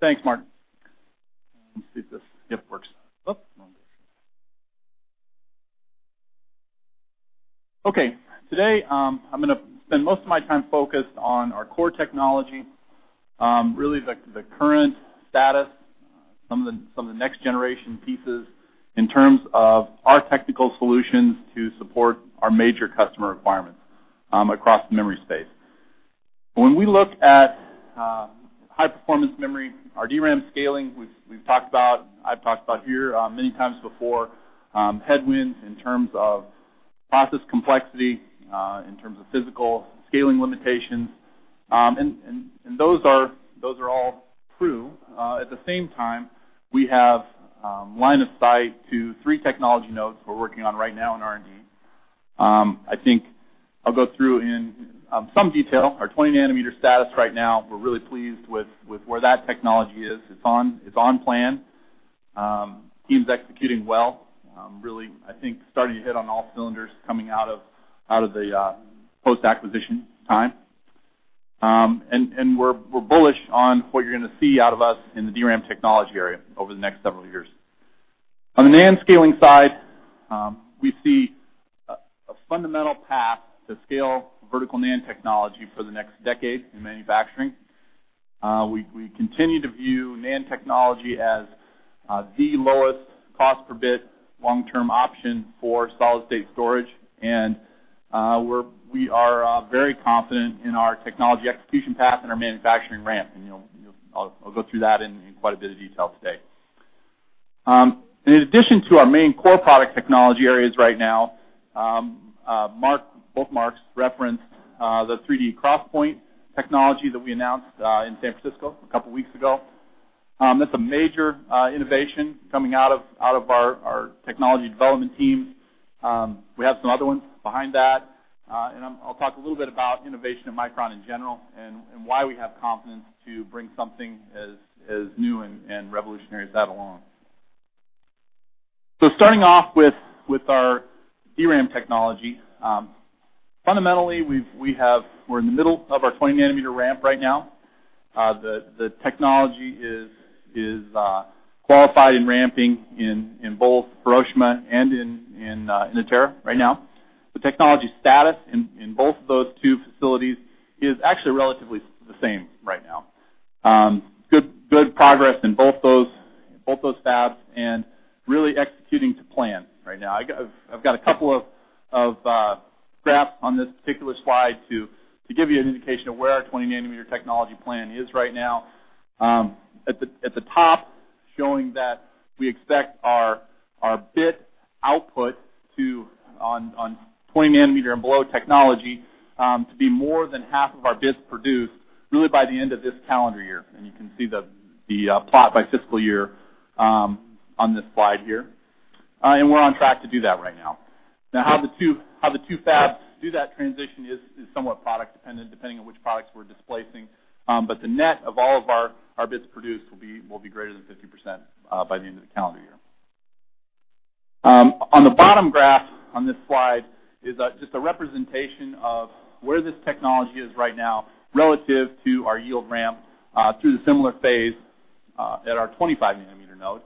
Thanks, Mark. Let's see if this works. Oops. Today, I'm going to spend most of my time focused on our core technology, really the current status, some of the next generation pieces in terms of our technical solutions to support our major customer requirements across the memory space. When we look at high-performance memory, our DRAM scaling, I've talked about here many times before, headwinds in terms of process complexity, in terms of physical scaling limitations, and those are all true. At the same time, we have line of sight to three technology nodes we're working on right now in R&D. I think I'll go through in some detail our 20nm status right now. We're really pleased with where that technology is. It's on plan. Team's executing well, really, I think, starting to hit on all cylinders coming out of the post-acquisition time. We're bullish on what you're going to see out of us in the DRAM technology area over the next several years. On the NAND scaling side, we see a fundamental path to scale vertical NAND technology for the next decade in manufacturing. We continue to view NAND technology as the lowest cost per bit long-term option for solid-state storage. We are very confident in our technology execution path and our manufacturing ramp, and I'll go through that in quite a bit of detail today. In addition to our main core product technology areas right now, both Marks referenced the 3D XPoint technology that we announced in San Francisco a couple of weeks ago. We have some other ones behind that, and I'll talk a little bit about innovation at Micron in general and why we have confidence to bring something as new and revolutionary as that along. Starting off with our DRAM technology. Fundamentally, we're in the middle of our 20nm ramp right now. The technology is qualified and ramping in both Hiroshima and in Inotera right now. The technology status in both of those two facilities is actually relatively the same right now. Good progress in both those fabs and really executing to plan right now. I've got a couple of graphs on this particular slide to give you an indication of where our 20nm technology plan is right now. At the top, showing that we expect our bit output on 20nm and below technology to be more than half of our bits produced really by the end of this calendar year, and you can see the plot by fiscal year on this slide here. We're on track to do that right now. Now, how the two fabs do that transition is somewhat product dependent, depending on which products we're displacing. The net of all of our bits produced will be greater than 50% by the end of the calendar year. On the bottom graph on this slide is just a representation of where this technology is right now relative to our yield ramp through the similar phase at our 25nm node.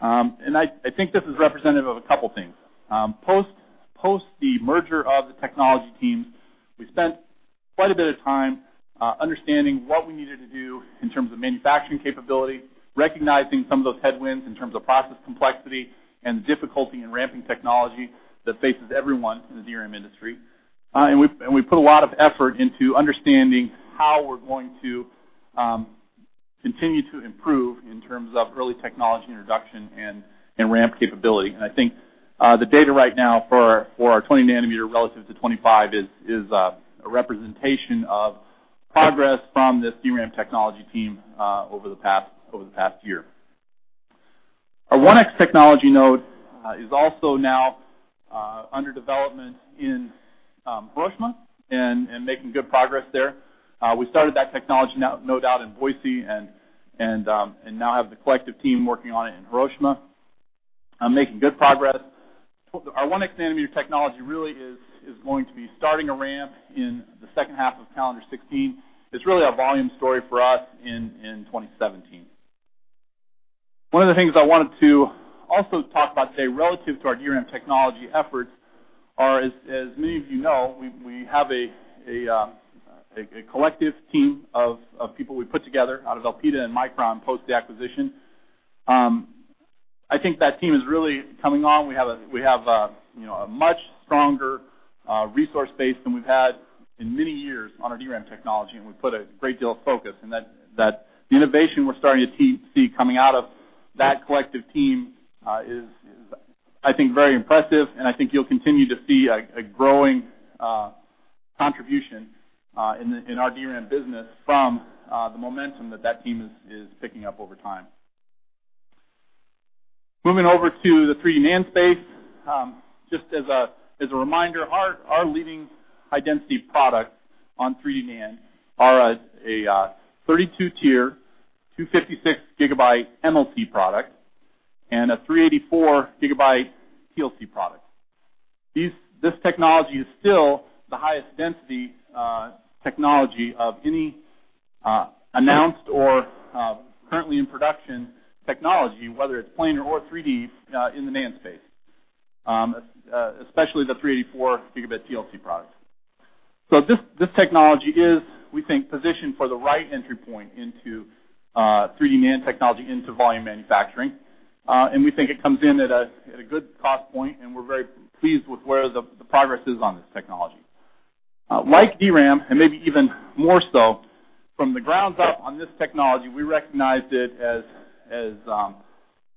I think this is representative of a couple things. Post the merger of the technology teams, we spent quite a bit of time understanding what we needed to do in terms of manufacturing capability, recognizing some of those headwinds in terms of process complexity and the difficulty in ramping technology that faces everyone in the DRAM industry. We put a lot of effort into understanding how we're going to continue to improve in terms of early technology introduction and ramp capability. I think the data right now for our 20nm relative to 25nm is a representation of progress from this DRAM technology team over the past year. Our 1x technology node is also now under development in Hiroshima and making good progress there. We started that technology node out in Boise and now have the collective team working on it in Hiroshima and making good progress. Our 1x nanometer technology really is going to be starting a ramp in the second half of calendar 2016. It's really a volume story for us in 2017. One of the things I wanted to also talk about today relative to our DRAM technology efforts are, as many of you know, we have a collective team of people we put together out of Elpida and Micron post-acquisition. I think that team is really coming on. We have a much stronger resource base than we've had in many years on our DRAM technology, and we've put a great deal of focus on that. The innovation we're starting to see coming out of that collective team is, I think, very impressive, and I think you'll continue to see a growing contribution in our DRAM business from the momentum that that team is picking up over time. Moving over to the 3D NAND space. Just as a reminder, our leading high-density products on 3D NAND are a 32-layer, 256Gb MLC product and a 384Gb TLC product. This technology is still the highest density technology of any announced or currently in production technology, whether it's planar or 3D, in the NAND space, especially the 384Gb TLC product. This technology is, we think, positioned for the right entry point into 3D NAND technology into volume manufacturing. We think it comes in at a good cost point, and we're very pleased with where the progress is on this technology. Like DRAM, and maybe even more so, from the grounds up on this technology, we recognized it as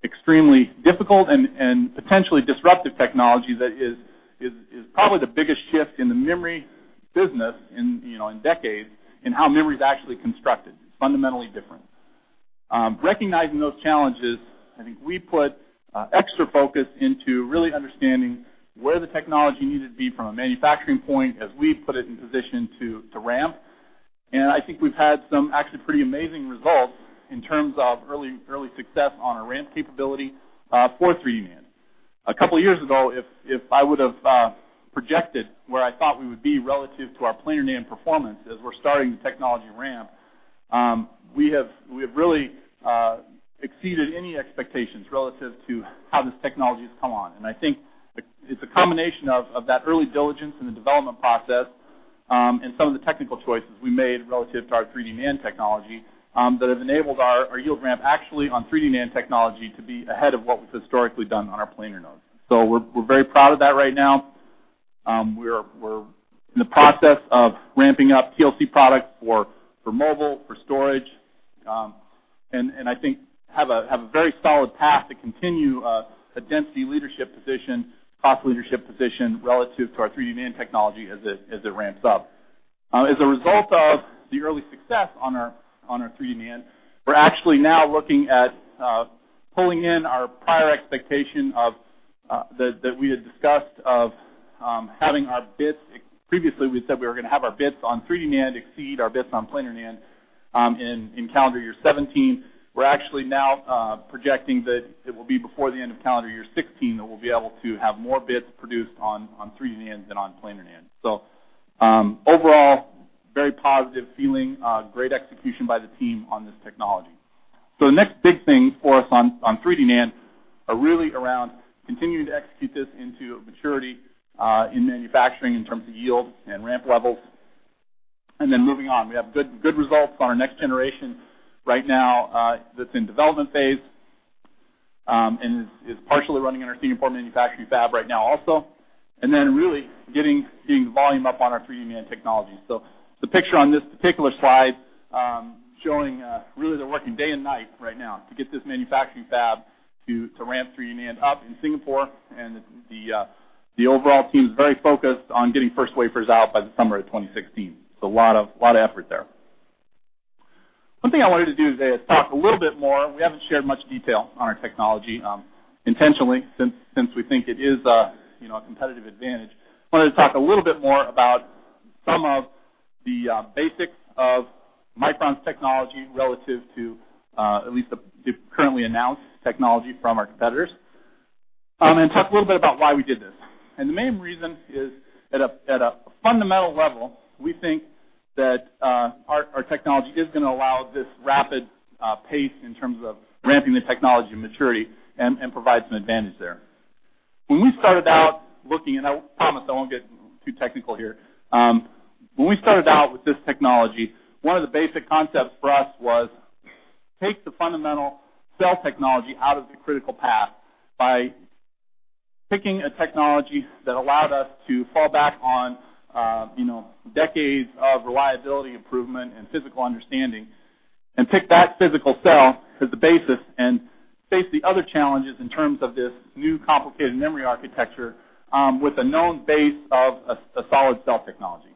extremely difficult and potentially disruptive technology that is probably the biggest shift in the memory business in decades in how memory is actually constructed, fundamentally different. Recognizing those challenges, I think we put extra focus into really understanding where the technology needed to be from a manufacturing point, as we put it in position to ramp. I think we've had some actually pretty amazing results in terms of early success on our ramp capability for 3D NAND. A couple of years ago, if I would've projected where I thought we would be relative to our planar NAND performance as we're starting the technology ramp, we have really exceeded any expectations relative to how this technology has come on. I think it's a combination of that early diligence in the development process, and some of the technical choices we made relative to our 3D NAND technology, that have enabled our yield ramp actually on 3D NAND technology to be ahead of what we've historically done on our planar nodes. We're very proud of that right now. We're in the process of ramping up TLC product for mobile, for storage, and I think have a very solid path to continue a density leadership position, cost leadership position relative to our 3D NAND technology as it ramps up. As a result of the early success on our 3D NAND, we're actually now looking at pulling in our prior expectation that we had discussed. Previously, we said we were going to have our bits on 3D NAND exceed our bits on planar NAND in calendar year 2017. We're actually now projecting that it will be before the end of calendar year 2016 that we'll be able to have more bits produced on 3D NAND than on planar NAND. Overall, very positive feeling, great execution by the team on this technology. The next big thing for us on 3D NAND are really around continuing to execute this into maturity in manufacturing in terms of yield and ramp levels. Moving on, we have good results on our next generation right now that's in development phase, and is partially running in our Singapore manufacturing fab right now also. Really getting volume up on our 3D NAND technology. The picture on this particular slide, showing really they're working day and night right now to get this manufacturing fab to ramp 3D NAND up in Singapore. The overall team is very focused on getting first wafers out by the summer of 2016. A lot of effort there. One thing I wanted to do today is talk a little bit more, we haven't shared much detail on our technology, intentionally, since we think it is a competitive advantage. Wanted to talk a little bit more about some of the basics of Micron's technology relative to at least the currently announced technology from our competitors, and talk a little bit about why we did this. The main reason is, at a fundamental level, we think that our technology is going to allow this rapid pace in terms of ramping the technology maturity and provide some advantage there. When we started out looking, and I promise I won't get too technical here, when we started out with this technology, one of the basic concepts for us was take the fundamental cell technology out of the critical path by picking a technology that allowed us to fall back on decades of reliability improvement and physical understanding, and pick that physical cell as the basis, and face the other challenges in terms of this new complicated memory architecture with a known base of a solid cell technology.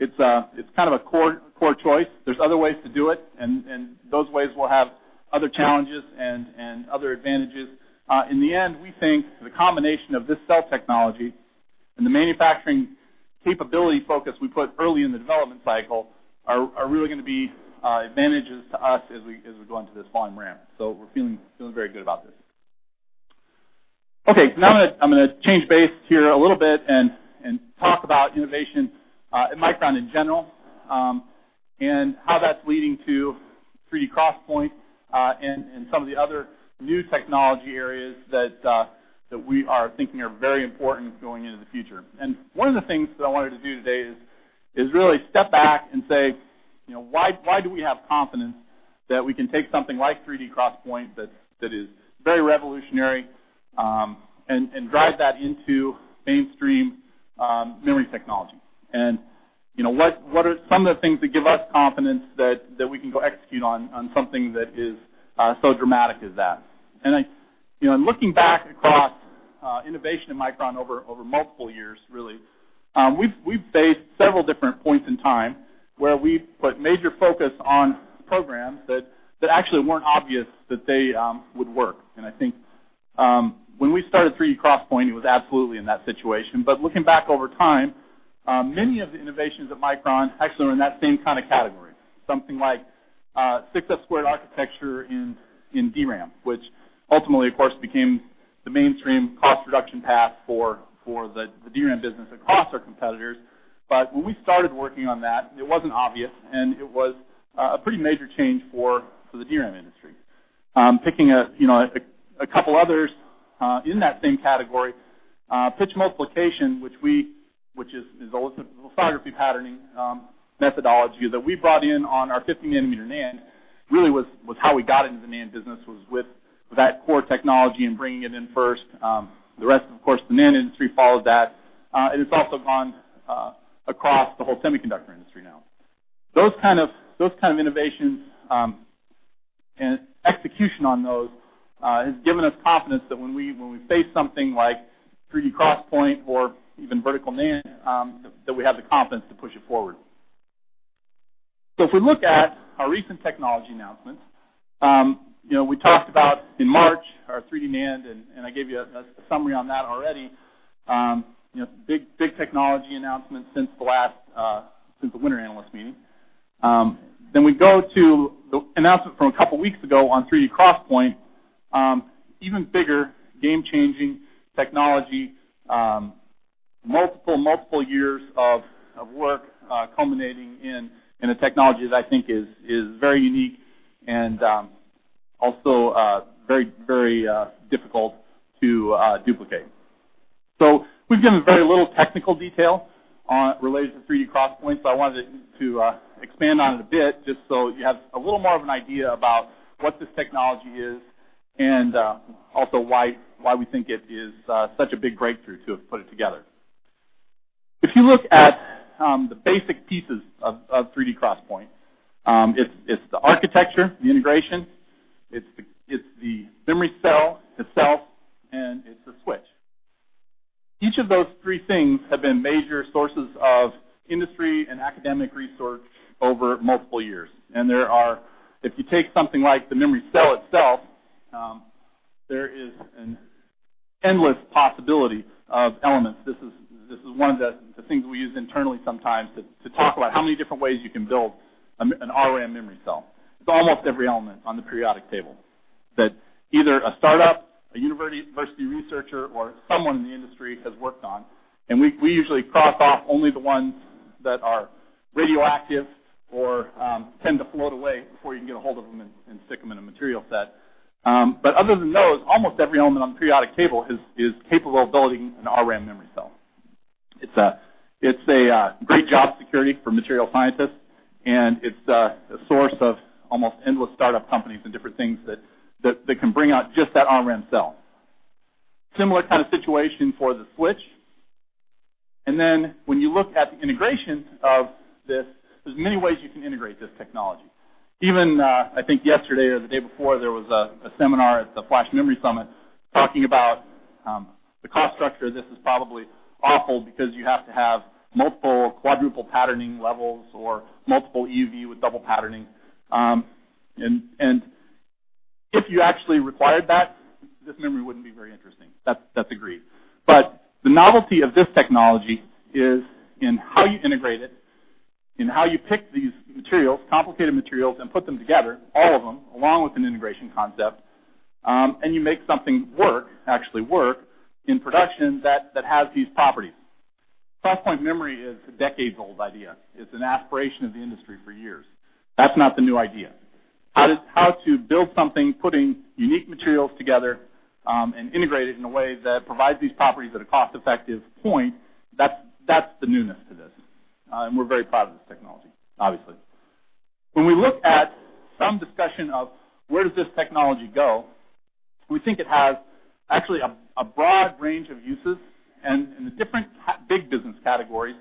It's kind of a core choice. There's other ways to do it, and those ways will have other challenges and other advantages. In the end, we think the combination of this cell technology and the manufacturing capability focus we put early in the development cycle are really going to be advantages to us as we go into this volume ramp. We're feeling very good about this. Now I'm going to change base here a little bit and talk about innovation at Micron in general, and how that's leading to 3D XPoint, and some of the other new technology areas that we are thinking are very important going into the future. One of the things that I wanted to do today is really step back and say why do we have confidence that we can take something like 3D XPoint that is very revolutionary, and drive that into mainstream memory technology? What are some of the things that give us confidence that we can go execute on something that is so dramatic as that? Looking back across innovation at Micron over multiple years, really, we've faced several different points in time where we've put major focus on programs that actually weren't obvious that they would work. I think when we started 3D XPoint, it was absolutely in that situation. Looking back over time, many of the innovations at Micron actually are in that same kind of category. Something like 6F squared architecture in DRAM, which ultimately, of course, became the mainstream cost reduction path for the DRAM business across our competitors. When we started working on that, it wasn't obvious, and it was a pretty major change for the DRAM industry. Picking a couple others in that same category Pitch multiplication, which is a lithography patterning methodology that we brought in on our 50-nanometer NAND, really was how we got into the NAND business, was with that core technology and bringing it in first. The rest, of course, the NAND industry followed that, and it's also gone across the whole semiconductor industry now. Those kind of innovations, and execution on those, has given us confidence that when we face something like 3D XPoint or even vertical NAND, that we have the confidence to push it forward. If we look at our recent technology announcements, we talked about in March, our 3D NAND, and I gave you a summary on that already. Big technology announcement since the winter analyst meeting. We go to the announcement from a couple of weeks ago on 3D XPoint, even bigger, game-changing technology, multiple years of work culminating in a technology that I think is very unique and also very difficult to duplicate. We've given very little technical detail related to 3D XPoint, so I wanted to expand on it a bit just so you have a little more of an idea about what this technology is and also why we think it is such a big breakthrough to have put it together. If you look at the basic pieces of 3D XPoint, it's the architecture, the integration, it's the memory cell itself, and it's the switch. Each of those three things have been major sources of industry and academic research over multiple years. If you take something like the memory cell itself, there is an endless possibility of elements. This is one of the things we use internally sometimes to talk about how many different ways you can build an RRAM memory cell. It's almost every element on the periodic table that either a startup, a university researcher, or someone in the industry has worked on. We usually cross off only the ones that are radioactive or tend to float away before you can get a hold of them and stick them in a material set. But other than those, almost every element on the periodic table is capable of building an RRAM memory cell. It's a great job security for material scientists, and it's a source of almost endless startup companies and different things that can bring out just that RRAM cell. Similar kind of situation for the switch. Then when you look at the integration of this, there's many ways you can integrate this technology. Even, I think yesterday or the day before, there was a seminar at the Flash Memory Summit talking about the cost structure of this is probably awful because you have to have multiple quadruple patterning levels or multiple EUV with double patterning. If you actually required that, this memory wouldn't be very interesting. That's agreed. But the novelty of this technology is in how you integrate it, in how you pick these materials, complicated materials, and put them together, all of them, along with an integration concept, and you make something work, actually work, in production that has these properties. XPoint memory is a decades-old idea. It's an aspiration of the industry for years. That's not the new idea. How to build something, putting unique materials together, and integrate it in a way that provides these properties at a cost-effective point, that's the newness to this. We're very proud of this technology, obviously. When we look at some discussion of where does this technology go, we think it has actually a broad range of uses, and the different big business categories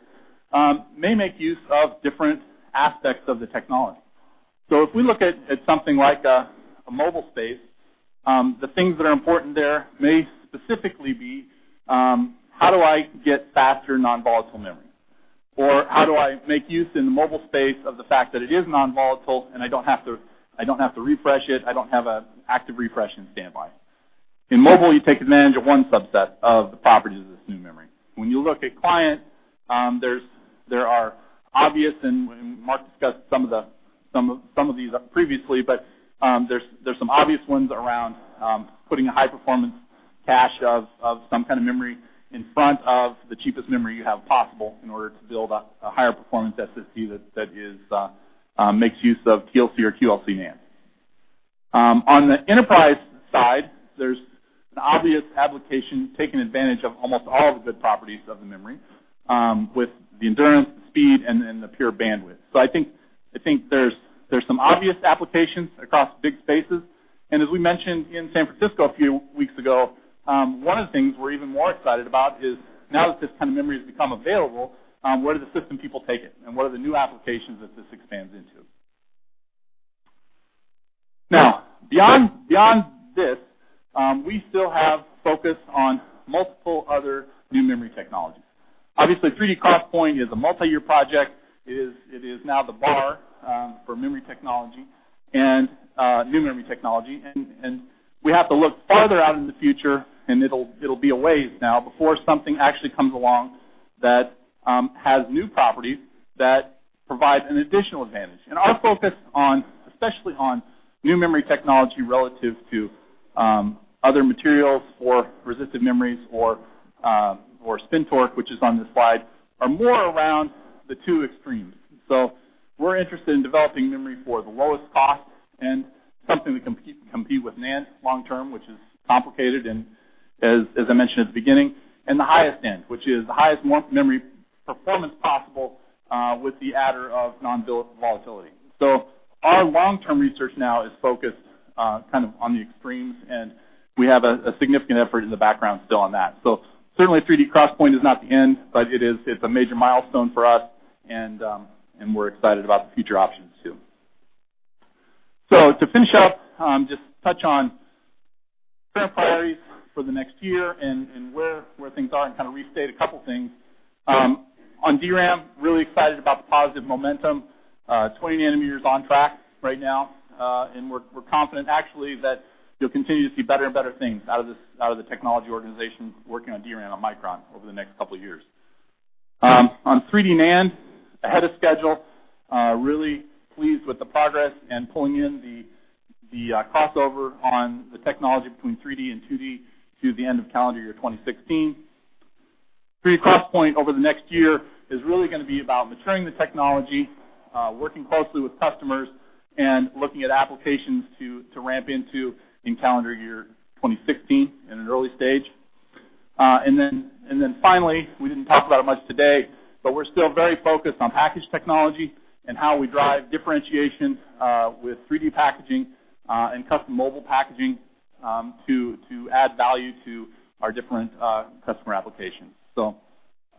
may make use of different aspects of the technology. So if we look at something like a mobile space, the things that are important there may specifically be, how do I get faster non-volatile memory? Or how do I make use in the mobile space of the fact that it is non-volatile and I don't have to refresh it, I don't have an active refresh in standby. In mobile, you take advantage of one subset of the properties of this new memory. When you look at client, there are obvious, and Mark discussed some of these previously, but there's some obvious ones around putting a high-performance cache of some kind of memory in front of the cheapest memory you have possible in order to build a higher performance SSD that makes use of TLC or QLC NAND. On the enterprise side, there's an obvious application taking advantage of almost all of the properties of the memory, with the endurance, the speed, and the pure bandwidth. So I think there's some obvious applications across big spaces. As we mentioned in San Francisco a few weeks ago, one of the things we're even more excited about is now that this kind of memory has become available, where do the system people take it, and what are the new applications that this expands into? Beyond this, we still have focus on multiple other new memory technologies. Obviously, 3D XPoint is a multi-year project. It is now the bar for memory technology, new memory technology, and we have to look further out in the future, and it'll be a ways now, before something actually comes along that has new properties that provide an additional advantage. Our focus, especially on new memory technology relative to other materials for resistive memories or spin torque, which is on this slide, are more around the two extremes. We're interested in developing memory for the lowest cost and something that can compete with NAND long term, which is complicated, and as I mentioned at the beginning, in the highest end, which is the highest memory performance possible, with the adder of non-volatility. Our long-term research now is focused on the extremes, and we have a significant effort in the background still on that. Certainly, 3D XPoint is not the end, but it's a major milestone for us, and we're excited about the future options too. To finish up, just touch on current priorities for the next year and where things are, and restate a couple things. On DRAM, really excited about the positive momentum. 20 nanometers on track right now, and we're confident actually that you'll continue to see better and better things out of the technology organization working on DRAM on Micron over the next couple of years. On 3D NAND, ahead of schedule. Really pleased with the progress and pulling in the crossover on the technology between 3D and 2D to the end of calendar year 2016. 3D XPoint over the next year is really going to be about maturing the technology, working closely with customers, and looking at applications to ramp into in calendar year 2016 in an early stage. Finally, we didn't talk about it much today, but we're still very focused on package technology and how we drive differentiation, with 3D packaging, and custom mobile packaging, to add value to our different customer applications.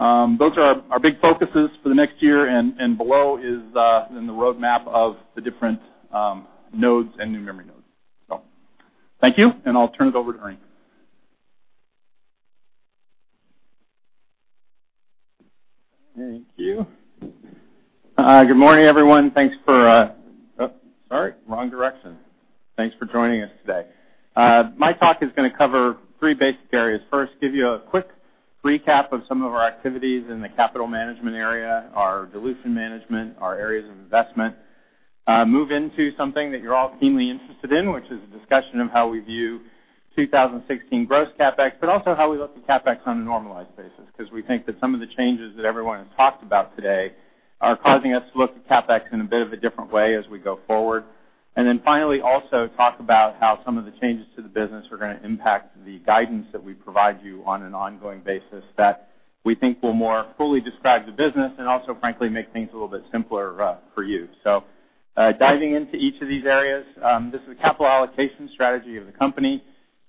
Those are our big focuses for the next year, and below is the roadmap of the different nodes and new memory nodes. Thank you, and I'll turn it over to Ernie. Thank you. Good morning, everyone. Thanks for-- Oh, sorry. Wrong direction. Thanks for joining us today. My talk is going to cover three basic areas. First, give you a quick recap of some of our activities in the capital management area, our dilution management, our areas of investment. Move into something that you're all keenly interested in, which is a discussion of how we view 2016 gross CapEx, but also how we look at CapEx on a normalized basis, because we think that some of the changes that everyone has talked about today are causing us to look at CapEx in a bit of a different way as we go forward. Finally, also talk about how some of the changes to the business are going to impact the guidance that we provide you on an ongoing basis that we think will more fully describe the business and also, frankly, make things a little bit simpler for you. Diving into each of these areas, this is the capital allocation strategy of the company.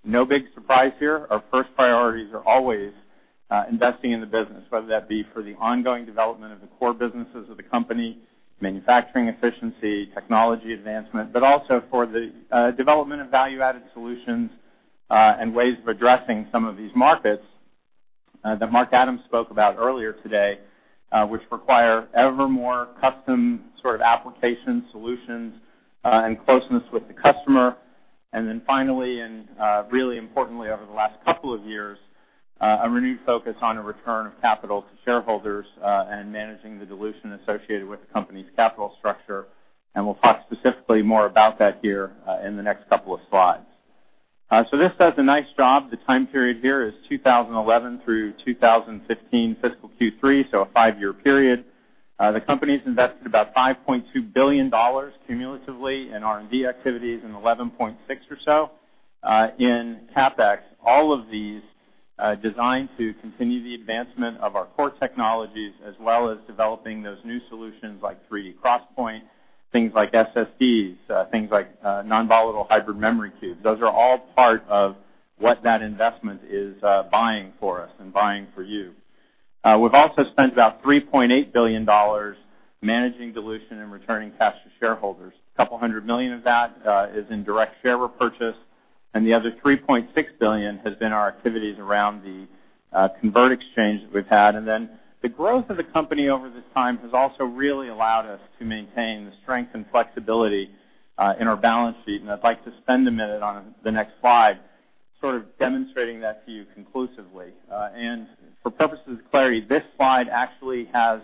No big surprise here. Our first priorities are always investing in the business, whether that be for the ongoing development of the core businesses of the company, manufacturing efficiency, technology advancement, but also for the development of value-added solutions, and ways of addressing some of these markets that Mark Adams spoke about earlier today, which require ever more custom sort of application solutions, and closeness with the customer. Finally, and really importantly over the last couple of years, a renewed focus on a return of capital to shareholders, and managing the dilution associated with the company's capital structure. We'll talk specifically more about that here in the next couple of slides. This does a nice job. The time period here is 2011 through 2015 fiscal Q3, so a five-year period. The company's invested about $5.2 billion cumulatively in R&D activities and $11.6 or so in CapEx. All of these designed to continue the advancement of our core technologies, as well as developing those new solutions like 3D XPoint, things like SSDs, things like non-volatile Hybrid Memory Cubes. Those are all part of what that investment is buying for us and buying for you. We've also spent about $3.8 billion managing dilution and returning cash to shareholders. $200 million of that is in direct share repurchase, and the other $3.6 billion has been our activities around the convert exchange that we've had. The growth of the company over this time has also really allowed us to maintain the strength and flexibility in our balance sheet, and I'd like to spend a minute on the next slide sort of demonstrating that to you conclusively. For purposes of clarity, this slide actually has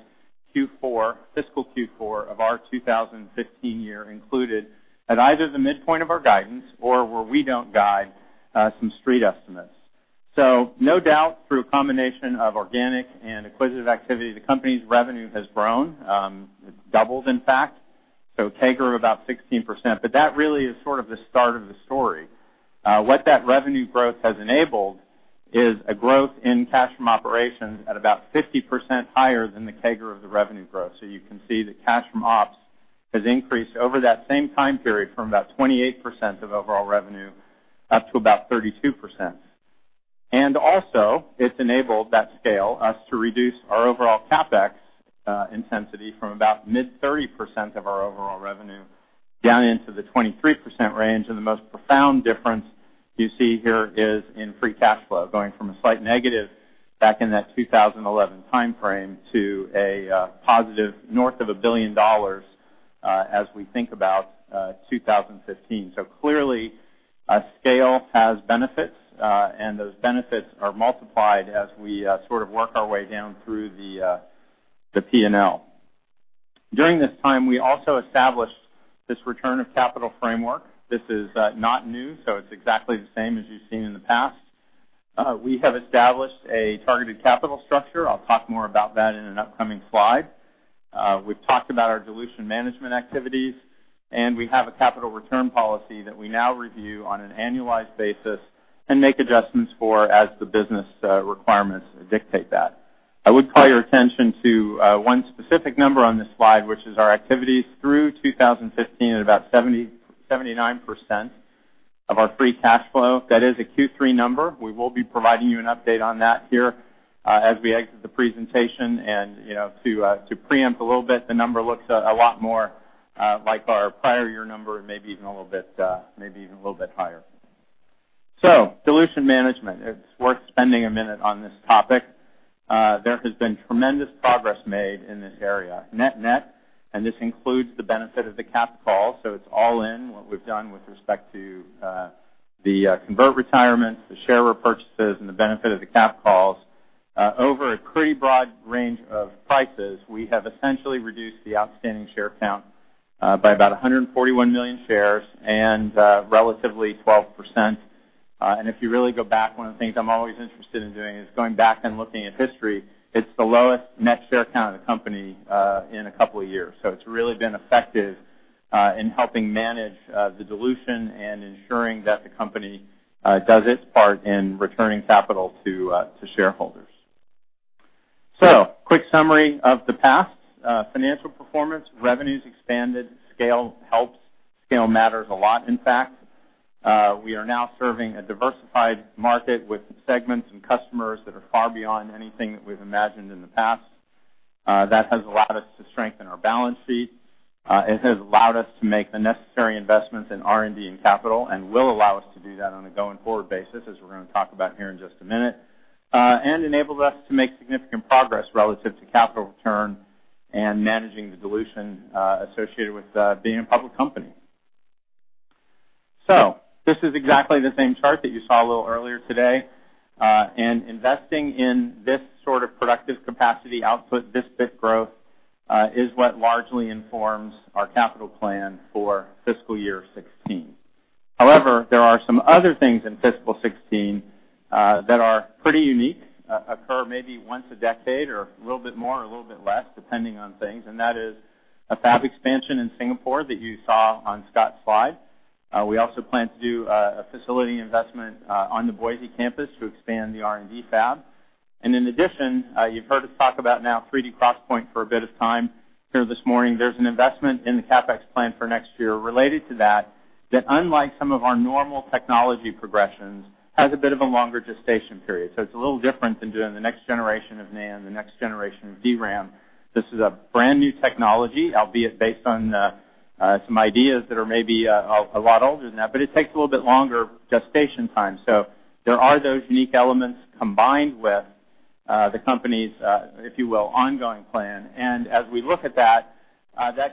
fiscal Q4 of our 2015 year included at either the midpoint of our guidance or where we don't guide, some Street estimates. No doubt, through a combination of organic and acquisitive activity, the company's revenue has grown, it's doubled, in fact, so CAGR of about 16%. That really is sort of the start of the story. What that revenue growth has enabled is a growth in cash from operations at about 50% higher than the CAGR of the revenue growth. You can see that cash from ops has increased over that same time period from about 28% of overall revenue up to about 32%. Also, it's enabled, that scale, us to reduce our overall CapEx intensity from about mid-30% of our overall revenue down into the 23% range. The most profound difference you see here is in free cash flow, going from a slight negative back in that 2011 timeframe to a positive north of $1 billion, as we think about 2015. Clearly, scale has benefits, and those benefits are multiplied as we sort of work our way down through the P&L. During this time, we also established this return of capital framework. This is not new, it's exactly the same as you have seen in the past. We have established a targeted capital structure. I'll talk more about that in an upcoming slide. We have talked about our dilution management activities, and we have a capital return policy that we now review on an annualized basis and make adjustments for as the business requirements dictate that. I would call your attention to one specific number on this slide, which is our activities through 2015 at about 79% of our free cash flow. That is a Q3 number. We will be providing you an update on that here as we exit the presentation. To preempt a little bit, the number looks a lot more like our prior year number, maybe even a little bit higher. Dilution management, it's worth spending a minute on this topic. There has been tremendous progress made in this area. Net net, this includes the benefit of the cap call, it's all in what we've done with respect to the convert retirements, the share repurchases, and the benefit of the cap calls. Over a pretty broad range of prices, we have essentially reduced the outstanding share count by about 141 million shares and relatively 12%. If you really go back, one of the things I'm always interested in doing is going back and looking at history. It's the lowest net share count of the company in a couple of years. It's really been effective in helping manage the dilution and ensuring that the company does its part in returning capital to shareholders. Quick summary of the past financial performance. Revenues expanded, scale helps. Scale matters a lot, in fact. We are now serving a diversified market with segments and customers that are far beyond anything that we've imagined in the past. That has allowed us to strengthen our balance sheet. It has allowed us to make the necessary investments in R&D and capital, will allow us to do that on a going-forward basis, as we're going to talk about here in just a minute. Enabled us to make significant progress relative to capital return and managing the dilution associated with being a public company. This is exactly the same chart that you saw a little earlier today. Investing in this sort of productive capacity output, this bit growth, is what largely informs our capital plan for fiscal year 2016. However, there are some other things in fiscal 2016 that are pretty unique, occur maybe once a decade or a little bit more or a little bit less, depending on things, and that is a fab expansion in Singapore that you saw on Scott's slide. We also plan to do a facility investment on the Boise campus to expand the R&D fab. In addition, you've heard us talk about now 3D XPoint for a bit of time here this morning. There's an investment in the CapEx plan for next year related to that unlike some of our normal technology progressions, has a bit of a longer gestation period. It's a little different than doing the next generation of NAND, the next generation of DRAM. This is a brand-new technology, albeit based on some ideas that are maybe a lot older than that, but it takes a little bit longer gestation time. There are those unique elements combined with the company's, if you will, ongoing plan. As we look at that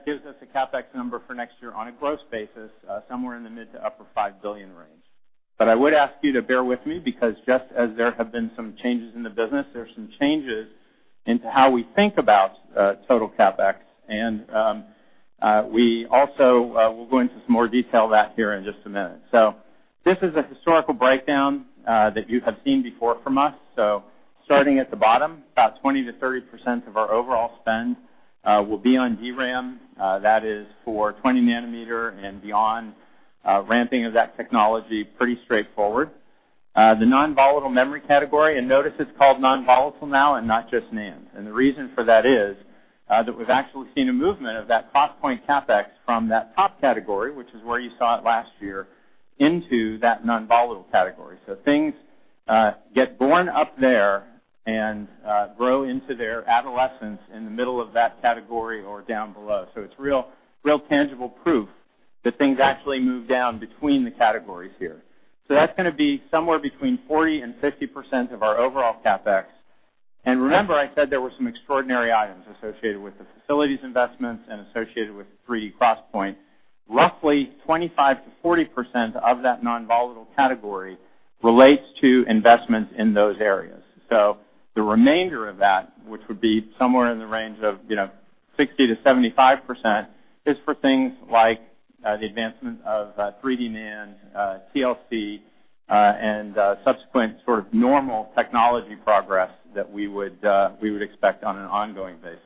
gives us a CapEx number for next year on a growth basis, somewhere in the mid to upper $5 billion range. I would ask you to bear with me, because just as there have been some changes in the business, there's some changes into how we think about total CapEx. We also will go into some more detail of that here in just a minute. This is a historical breakdown that you have seen before from us. Starting at the bottom, about 20%-30% of our overall spend will be on DRAM. That is for 20 nanometer and beyond, ramping of that technology, pretty straightforward. The non-volatile memory category, and notice it's called non-volatile now and not just NAND. The reason for that is that we've actually seen a movement of that XPoint CapEx from that top category, which is where you saw it last year, into that non-volatile category. Things get born up there and grow into their adolescence in the middle of that category or down below. It's real tangible proof that things actually move down between the categories here. That's going to be somewhere between 40%-50% of our overall CapEx. Remember I said there were some extraordinary items associated with the facilities investments and associated with 3D XPoint. Roughly 25%-40% of that non-volatile category relates to investments in those areas. The remainder of that, which would be somewhere in the range of 60%-75%, is for things like the advancement of 3D NAND, TLC, and subsequent sort of normal technology progress that we would expect on an ongoing basis.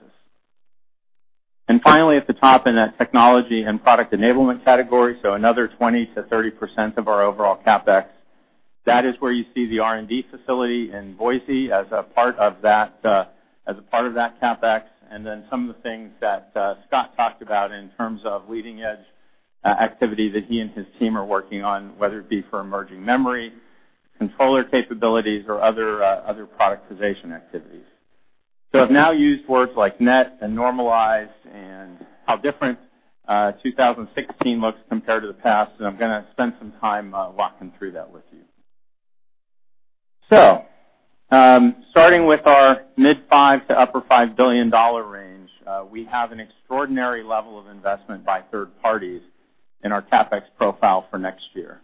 Finally, at the top in that technology and product enablement category, another 20%-30% of our overall CapEx. That is where you see the R&D facility in Boise as a part of that CapEx, and then some of the things that Scott talked about in terms of leading-edge activity that he and his team are working on, whether it be for emerging memory, controller capabilities, or other productization activities. I've now used words like net and normalized and how different 2016 looks compared to the past, and I'm going to spend some time walking through that with you. Starting with our mid $5 to upper $5 billion range, we have an extraordinary level of investment by third parties in our CapEx profile for next year.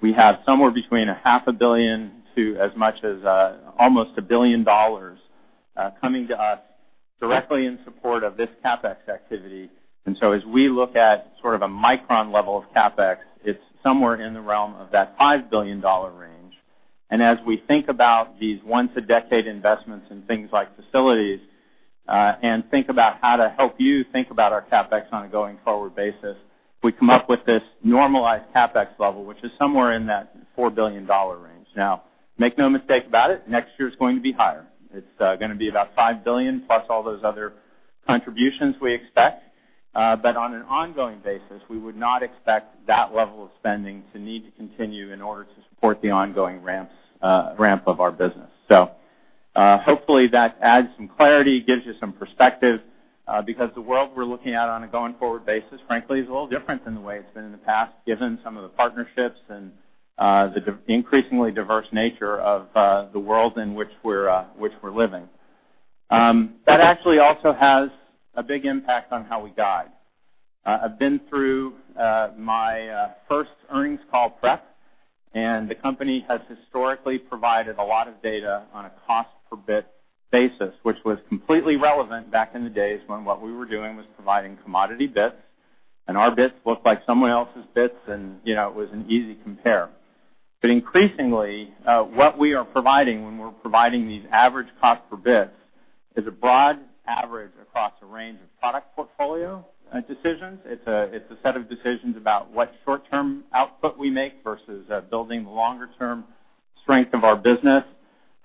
We have somewhere between a half a billion to as much as almost a billion dollars coming to us directly in support of this CapEx activity. As we look at sort of a Micron level of CapEx, it's somewhere in the realm of that $5 billion range. As we think about these once a decade investments in things like facilities, and think about how to help you think about our CapEx on a going forward basis, we come up with this normalized CapEx level, which is somewhere in that $4 billion range. Make no mistake about it, next year is going to be higher. It's going to be about $5 billion plus all those other contributions we expect. On an ongoing basis, we would not expect that level of spending to need to continue in order to support the ongoing ramp of our business. Hopefully that adds some clarity, gives you some perspective, because the world we're looking at on a going forward basis, frankly, is a little different than the way it's been in the past, given some of the partnerships and the increasingly diverse nature of the world in which we're living. That actually also has a big impact on how we guide. I've been through my first earnings call prep, the company has historically provided a lot of data on a cost per bit basis, which was completely relevant back in the days when what we were doing was providing commodity bits, and our bits looked like someone else's bits and it was an easy compare. Increasingly, what we are providing when we're providing these average cost per bits is a broad average across a range of product portfolio decisions. It's a set of decisions about what short-term output we make versus building the longer-term strength of our business.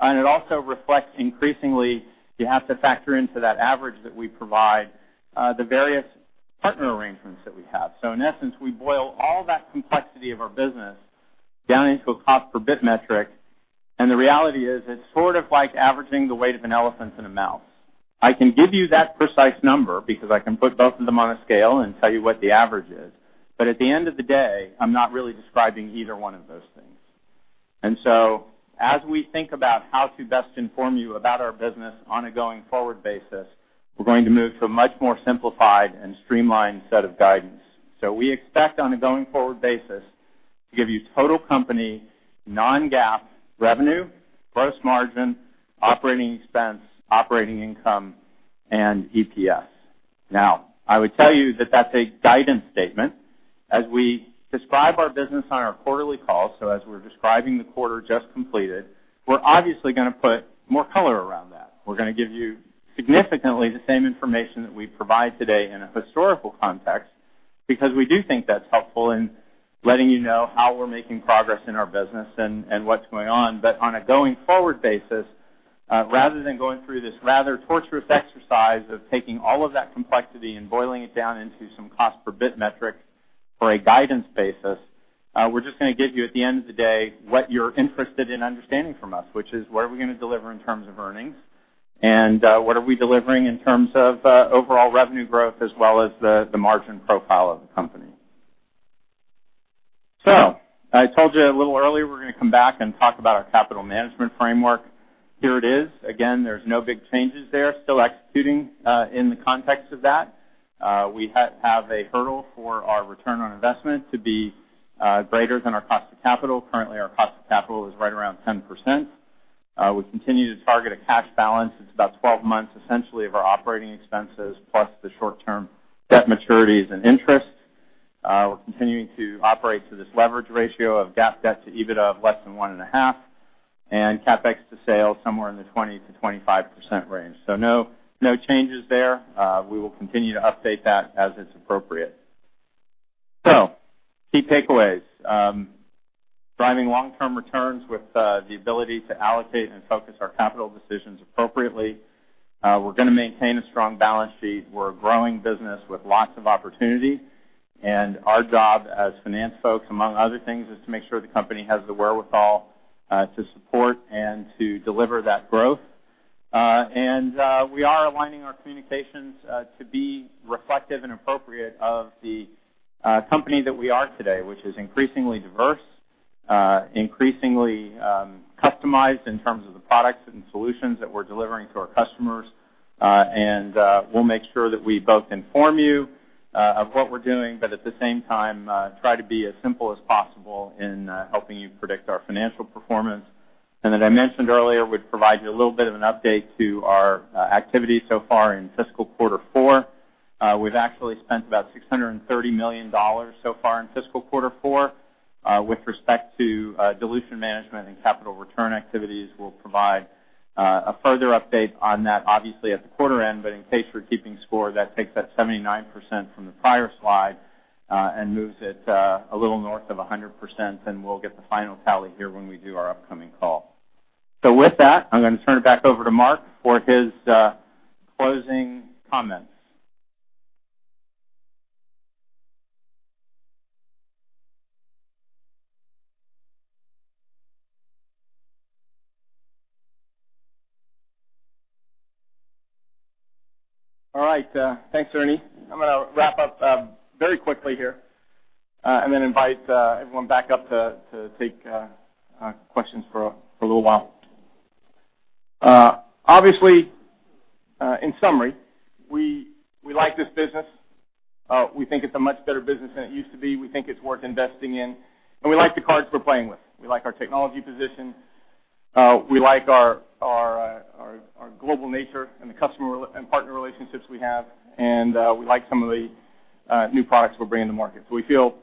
It also reflects, increasingly, you have to factor into that average that we provide, the various partner arrangements that we have. In essence, we boil all that complexity of our business down into a cost per bit metric, and the reality is, it's sort of like averaging the weight of an elephant and a mouse. I can give you that precise number because I can put both of them on a scale and tell you what the average is. At the end of the day, I'm not really describing either one of those things. As we think about how to best inform you about our business on a going forward basis, we're going to move to a much more simplified and streamlined set of guidance. We expect on a going forward basis to give you total company non-GAAP revenue, gross margin, operating expense, operating income, and EPS. Now, I would tell you that that's a guidance statement. As we describe our business on our quarterly call, so as we're describing the quarter just completed, we're obviously going to put more color around that. We're going to give you significantly the same information that we provide today in a historical context, because we do think that's helpful in letting you know how we're making progress in our business and what's going on. On a going forward basis, rather than going through this rather torturous exercise of taking all of that complexity and boiling it down into some cost per bit metric for a guidance basis, we're just going to give you at the end of the day what you're interested in understanding from us, which is what are we going to deliver in terms of earnings, and what are we delivering in terms of overall revenue growth as well as the margin profile of the company. I told you a little earlier, we're going to come back and talk about our capital management framework. Here it is. Again, there's no big changes there. Still executing in the context of that. We have a hurdle for our return on investment to be greater than our cost of capital. Currently, our cost of capital is right around 10%. We continue to target a cash balance that's about 12 months, essentially, of our operating expenses, plus the short-term debt maturities and interest. We're continuing to operate through this leverage ratio of GAAP debt to EBITDA of less than one and a half, and CapEx to sales somewhere in the 20%-25% range. No changes there. We will continue to update that as it's appropriate. Key takeaways. Driving long-term returns with the ability to allocate and focus our capital decisions appropriately. We're going to maintain a strong balance sheet. We're a growing business with lots of opportunity, our job as finance folks, among other things, is to make sure the company has the wherewithal to support and to deliver that growth. We are aligning our communications to be reflective and appropriate of the company that we are today, which is increasingly diverse, increasingly customized in terms of the products and solutions that we're delivering to our customers. We'll make sure that we both inform you of what we're doing, but at the same time try to be as simple as possible in helping you predict our financial performance. As I mentioned earlier, we'd provide you a little bit of an update to our activity so far in fiscal quarter four. We've actually spent about $630 million so far in fiscal quarter four with respect to dilution management and capital return activities. We'll provide a further update on that obviously at the quarter end, but in case we're keeping score, that takes that 79% from the prior slide and moves it a little north of 100%, and we'll get the final tally here when we do our upcoming call. With that, I'm going to turn it back over to Mark for his closing comments. All right. Thanks, Ernie. I'm going to wrap up very quickly here and then invite everyone back up to take questions for a little while. Obviously, in summary, we like this business. We think it's a much better business than it used to be. We think it's worth investing in. We like the cards we're playing with. We like our technology position, we like our global nature and the customer and partner relationships we have, we like some of the new products we're bringing to market. We feel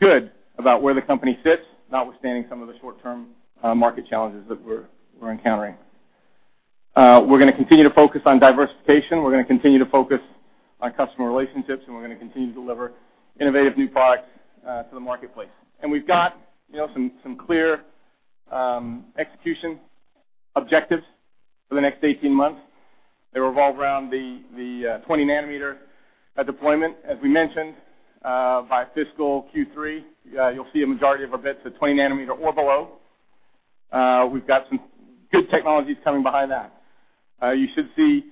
good about where the company sits, notwithstanding some of the short-term market challenges that we're encountering. We're going to continue to focus on diversification, we're going to continue to focus on customer relationships, we're going to continue to deliver innovative new products to the marketplace. We've got some clear execution objectives for the next 18 months. They revolve around the 20 nanometer deployment. As we mentioned, by fiscal Q3, you'll see a majority of our bits at 20 nanometer or below. We've got some good technologies coming behind that. You should see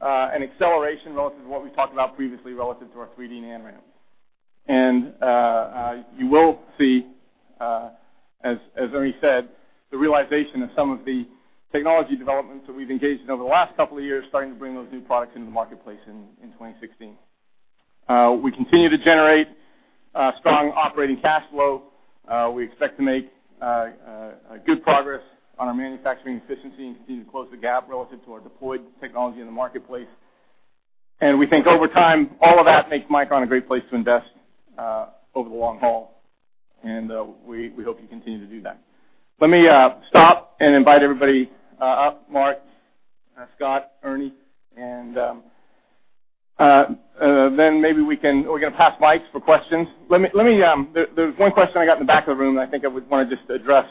an acceleration relative to what we talked about previously, relative to our 3D NAND. You will see, as Ernie said, the realization of some of the technology developments that we've engaged in over the last couple of years, starting to bring those new products into the marketplace in 2016. We continue to generate strong operating cash flow. We expect to make good progress on our manufacturing efficiency and continue to close the gap relative to our deployed technology in the marketplace. We think over time, all of that makes Micron a great place to invest over the long haul, and we hope you continue to do that. Let me stop and invite everybody up, Mark, Scott, Ernie, maybe we're going to pass mics for questions. There's one question I got in the back of the room that I think I would want to just address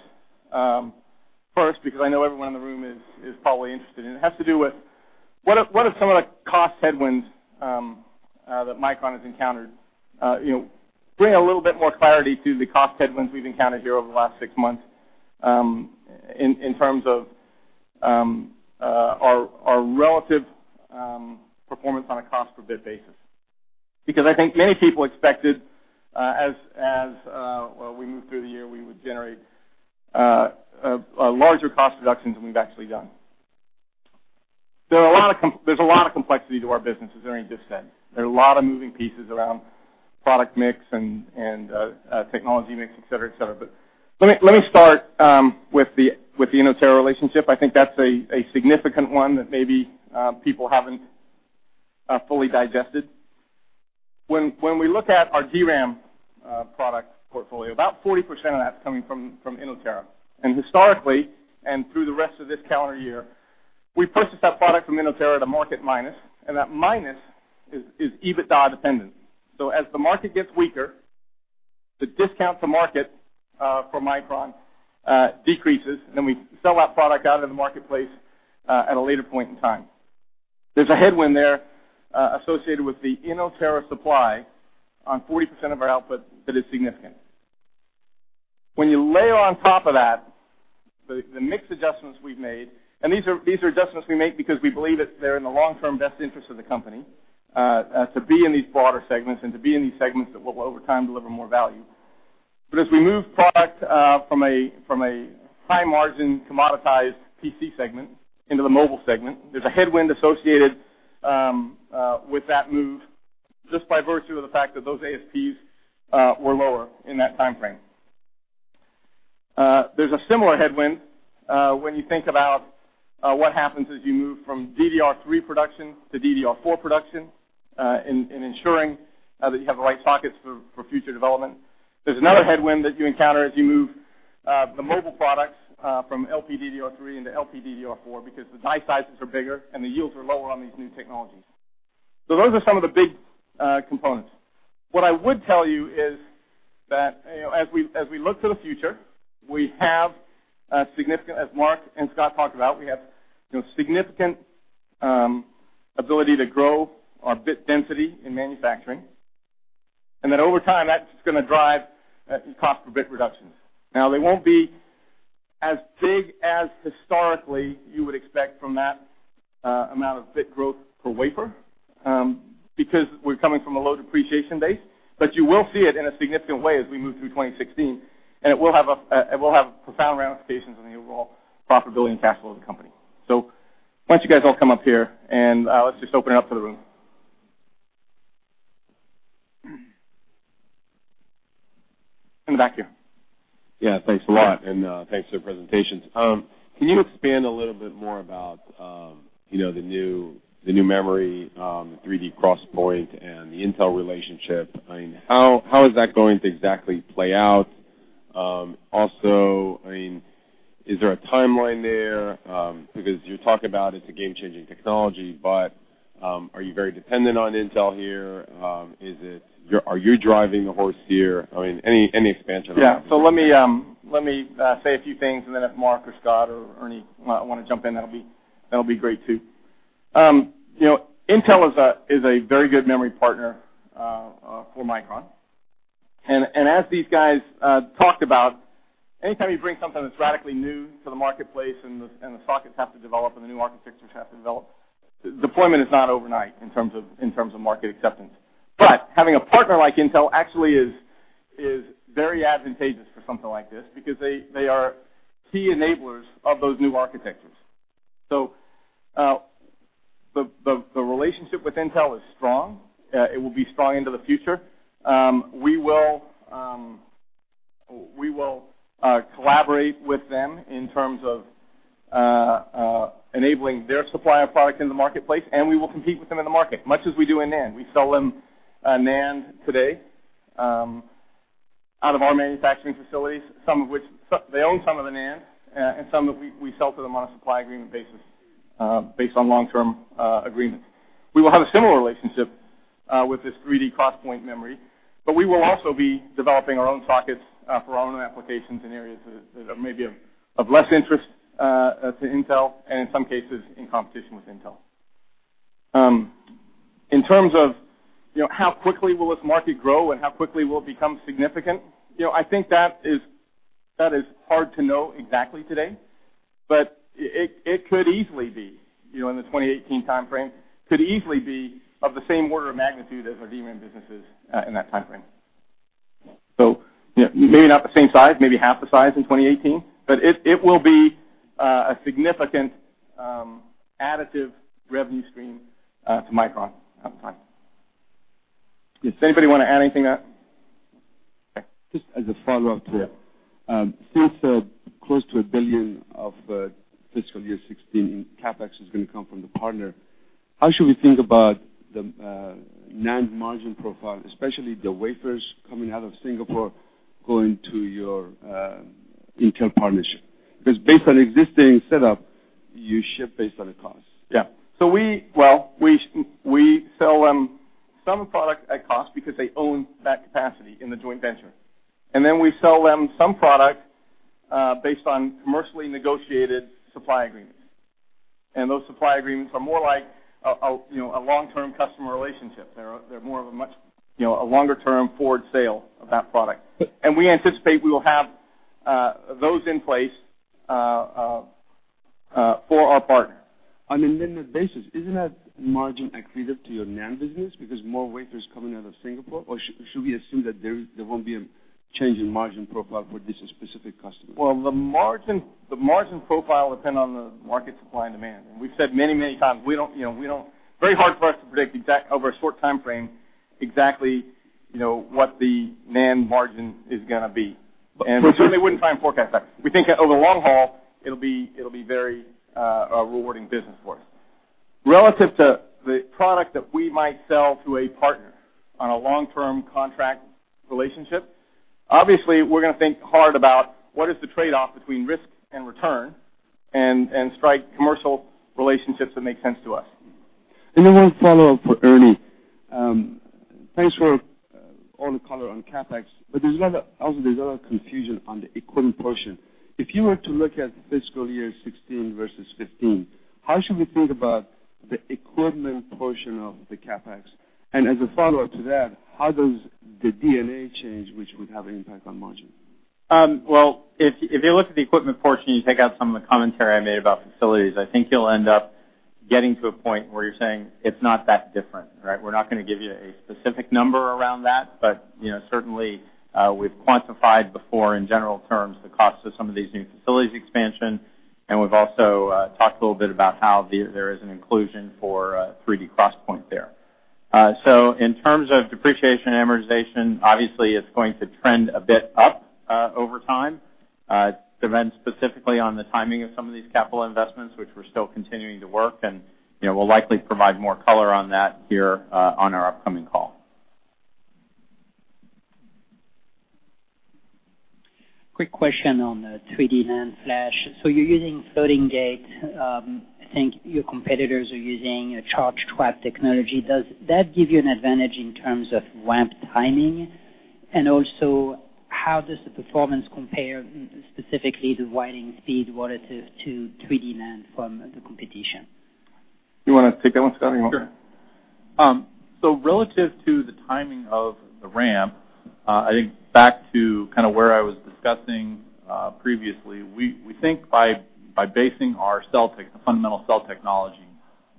first, because I know everyone in the room is probably interested in. It has to do with, what are some of the cost headwinds that Micron has encountered? Bring a little bit more clarity to the cost headwinds we've encountered here over the last six months, in terms of our relative performance on a cost per bit basis. I think many people expected as we moved through the year, we would generate larger cost reductions than we've actually done. There's a lot of complexity to our business, as Ernie just said. There are a lot of moving pieces around product mix and technology mix, et cetera. Let me start with the Inotera relationship. I think that's a significant one that maybe people haven't fully digested. When we look at our DRAM product portfolio, about 40% of that's coming from Inotera. Historically, and through the rest of this calendar year, we purchase that product from Inotera to market minus, and that minus is EBITDA-dependent. As the market gets weaker, the discount to market for Micron decreases, and then we sell that product out into the marketplace at a later point in time. There's a headwind there associated with the Inotera supply on 40% of our output that is significant. When you layer on top of that the mix adjustments we've made, these are adjustments we make because we believe that they're in the long-term best interest of the company, to be in these broader segments and to be in these segments that will, over time, deliver more value. As we move product from a high-margin, commoditized PC segment into the mobile segment, there's a headwind associated with that move, just by virtue of the fact that those ASPs were lower in that time frame. There's a similar headwind when you think about what happens as you move from DDR3 production to DDR4 production, in ensuring that you have the right sockets for future development. There's another headwind that you encounter as you move the mobile products from LPDDR3 into LPDDR4, because the die sizes are bigger and the yields are lower on these new technologies. Those are some of the big components. What I would tell you is that as we look to the future, as Mark and Scott talked about, we have significant ability to grow our bit density in manufacturing. That over time, that's going to drive cost per bit reductions. Now, they won't be as big as historically you would expect from that amount of bit growth per wafer because we're coming from a low depreciation base. You will see it in a significant way as we move through 2016, and it will have profound ramifications on the overall profitability and cash flow of the company. Why don't you guys all come up here and let's just open it up to the room. In the back here. Yeah, thanks a lot, and thanks for the presentations. Can you expand a little bit more about the new memory, the 3D XPoint, and the Intel relationship? How is that going to exactly play out? Also, is there a timeline there? Because you talk about it's a game-changing technology, but are you very dependent on Intel here? Are you driving the horse here? Any expansion on that. Yeah. Let me say a few things, and then if Mark or Scott or Ernie want to jump in, that'll be great, too. Intel is a very good memory partner for Micron. As these guys talked about, anytime you bring something that's radically new to the marketplace and the sockets have to develop and the new architectures have to develop, deployment is not overnight in terms of market acceptance. Having a partner like Intel actually is very advantageous for something like this because they are key enablers of those new architectures. The relationship with Intel is strong. It will be strong into the future. We will collaborate with them in terms of enabling their supply of product in the marketplace, and we will compete with them in the market, much as we do in NAND. We sell them NAND today out of our manufacturing facilities, they own some of the NAND, and some we sell to them on a supply agreement basis, based on long-term agreement. We will have a similar relationship with this 3D XPoint memory, but we will also be developing our own sockets for our own applications in areas that are maybe of less interest to Intel and in some cases, in competition with Intel. In terms of how quickly will this market grow and how quickly will it become significant, I think that is hard to know exactly today, but it could easily be, in the 2018 timeframe, could easily be of the same order of magnitude as our DRAM businesses in that timeframe. Maybe not the same size, maybe half the size in 2018, but it will be a significant additive revenue stream to Micron at the time. Does anybody want to add anything to that? Just as a follow-up to it. Since close to $1 billion of fiscal year 2016 in CapEx is going to come from the partner, how should we think about the NAND margin profile, especially the wafers coming out of Singapore, going to your Intel partnership? Because based on existing setup, you ship based on the cost. Yeah. We sell them some product at cost because they own that capacity in the joint venture. Then we sell them some product based on commercially negotiated supply agreements. Those supply agreements are more like a long-term customer relationship. They're more of a longer-term forward sale of that product. We anticipate we will have those in place for our partner. On an annual basis, isn't that margin accretive to your NAND business because more wafers coming out of Singapore? Should we assume that there won't be a change in margin profile for this specific customer? The margin profile will depend on the market supply and demand. We've said many times, very hard for us to predict over a short timeframe, exactly what the NAND margin is going to be. We certainly wouldn't try and forecast that. We think over the long haul, it'll be very rewarding business for us. Relative to the product that we might sell to a partner on a long-term contract relationship, obviously, we're going to think hard about what is the trade-off between risk and return, and strike commercial relationships that make sense to us. One follow-up for Ernie. Thanks for all the color on CapEx, but also there's a lot of confusion on the equipment portion. If you were to look at FY 2016 versus FY 2015, how should we think about the equipment portion of the CapEx? As a follow-up to that, how does the D&A change which would have an impact on margin? If you look at the equipment portion, you take out some of the commentary I made about facilities, I think you'll end up getting to a point where you're saying, it's not that different, right? We're not going to give you a specific number around that, but certainly, we've quantified before, in general terms, the cost of some of these new facilities expansion, and we've also talked a little bit about how there is an inclusion for 3D XPoint there. In terms of depreciation amortization, obviously, it's going to trend a bit up over time. Depends specifically on the timing of some of these capital investments, which we're still continuing to work, and we'll likely provide more color on that here on our upcoming call. Quick question on the 3D NAND flash. You're using floating gate. I think your competitors are using charge trap technology. Does that give you an advantage in terms of ramp timing? How does the performance compare specifically to writing speed relative to 3D NAND from the competition? You want to take that one, Scott? Sure. Relative to the timing of the ramp, I think back to where I was discussing previously, we think by basing our fundamental cell technology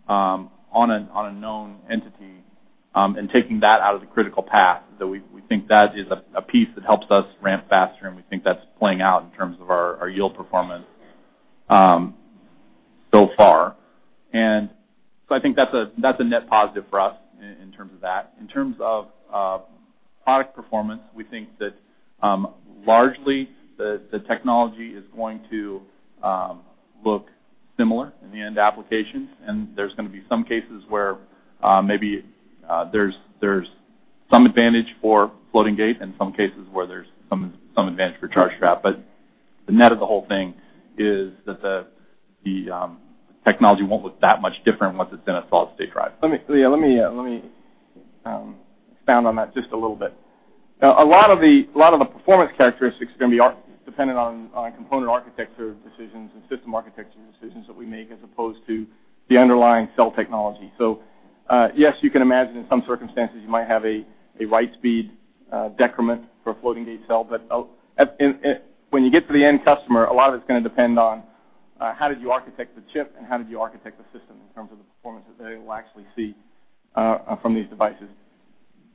on a known entity, and taking that out of the critical path, we think that is a piece that helps us ramp faster, and we think that's playing out in terms of our yield performance so far. I think that's a net positive for us in terms of that. In terms of product performance, we think that largely, the technology is going to look similar in the end applications, and there's going to be some cases where maybe there's some advantage for floating gate, and some cases where there's some advantage for charge trap. The net of the whole thing is that the technology won't look that much different once it's in a solid-state drive. Let me expand on that just a little bit. A lot of the performance characteristics are going to be dependent on component architecture decisions and system architecture decisions that we make as opposed to the underlying cell technology. Yes, you can imagine in some circumstances you might have a write speed decrement for a floating gate cell, when you get to the end customer, a lot of it's going to depend on how did you architect the chip, and how did you architect the system in terms of the performance that they will actually see from these devices?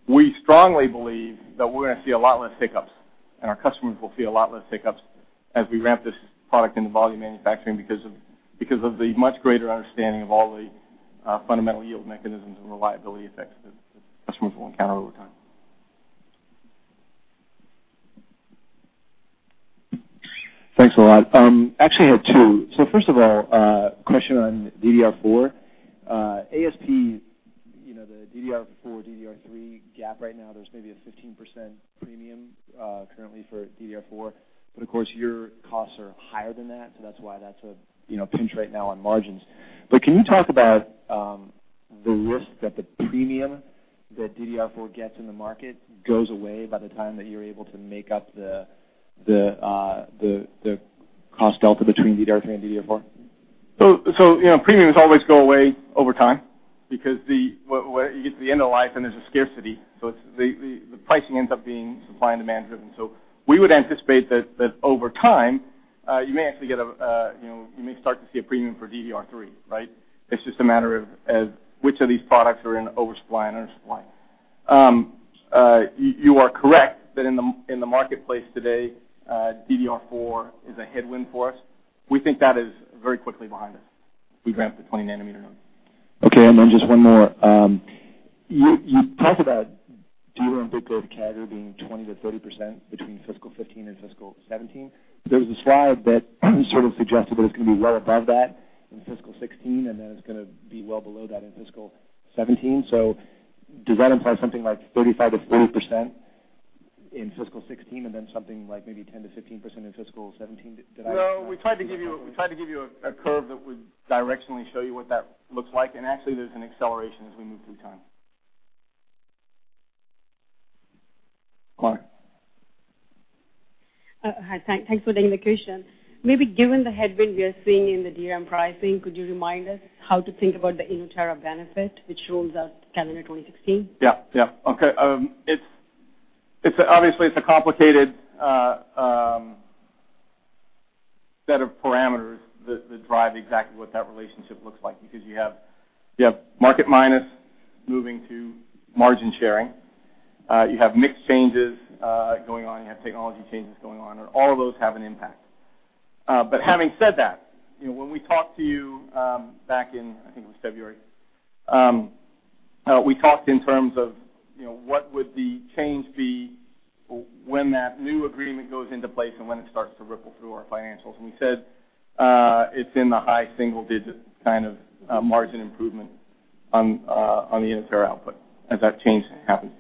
We strongly believe that we're going to see a lot less hiccups, and our customers will see a lot less hiccups as we ramp this product into volume manufacturing because of the much greater understanding of all the fundamental yield mechanisms and reliability effects that customers will encounter over time. Thanks a lot. Actually, I had two. First of all, a question on DDR4. ASP, the DDR4, DDR3 gap right now, there's maybe a 15% premium currently for DDR4. Of course, your costs are higher than that's why that's a pinch right now on margins. Can you talk about the risk that the premium that DDR4 gets in the market goes away by the time that you're able to make up the cost delta between DDR3 and DDR4? Premiums always go away over time because you get to the end of the life, and there's a scarcity. The pricing ends up being supply-and-demand driven. We would anticipate that over time, you may start to see a premium for DDR3, right? It's just a matter of which of these products are in oversupply and undersupply. You are correct that in the marketplace today, DDR4 is a headwind for us. We think that is very quickly behind us. We ramp to 20 nanometer node. Okay, just one more. You talked about DRAM bit growth category being 20%-30% between FY 2015 and FY 2017. There's a slide that sort of suggested that it's going to be well above that in FY 2016, and then it's going to be well below that in FY 2017. Does that imply something like 35%-40% in FY 2016 and then something like maybe 10%-15% in FY 2017? No, we tried to give you a curve that would directionally show you what that looks like. Actually, there's an acceleration as we move through time. Mark. Hi, thanks for the indication. Maybe given the headwind we are seeing in the DRAM pricing, could you remind us how to think about the Inotera benefit, which rolls out calendar 2016? Yeah. Okay. Obviously, it's a complicated set of parameters that drive exactly what that relationship looks like, because you have market minus moving to margin sharing. You have mixed changes going on, you have technology changes going on, all of those have an impact. Having said that, when we talked to you back in, I think it was February, we talked in terms of what would the change be when that new agreement goes into place and when it starts to ripple through our financials. We said, it's in the high single-digit kind of margin improvement on the Inotera output as that change happens.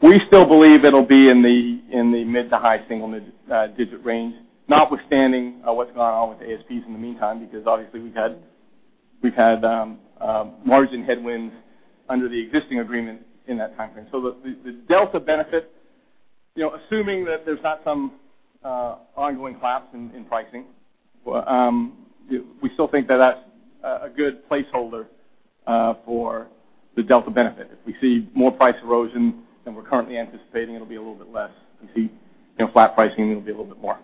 We still believe it'll be in the mid to high single-digit range, notwithstanding what's gone on with ASPs in the meantime, because obviously, we've had margin headwinds under the existing agreement in that timeframe. The delta benefit, assuming that there's not some ongoing collapse in pricing, we still think that's a good placeholder for the delta benefit. If we see more price erosion than we're currently anticipating, it'll be a little bit less. If we see flat pricing, it'll be a little bit more.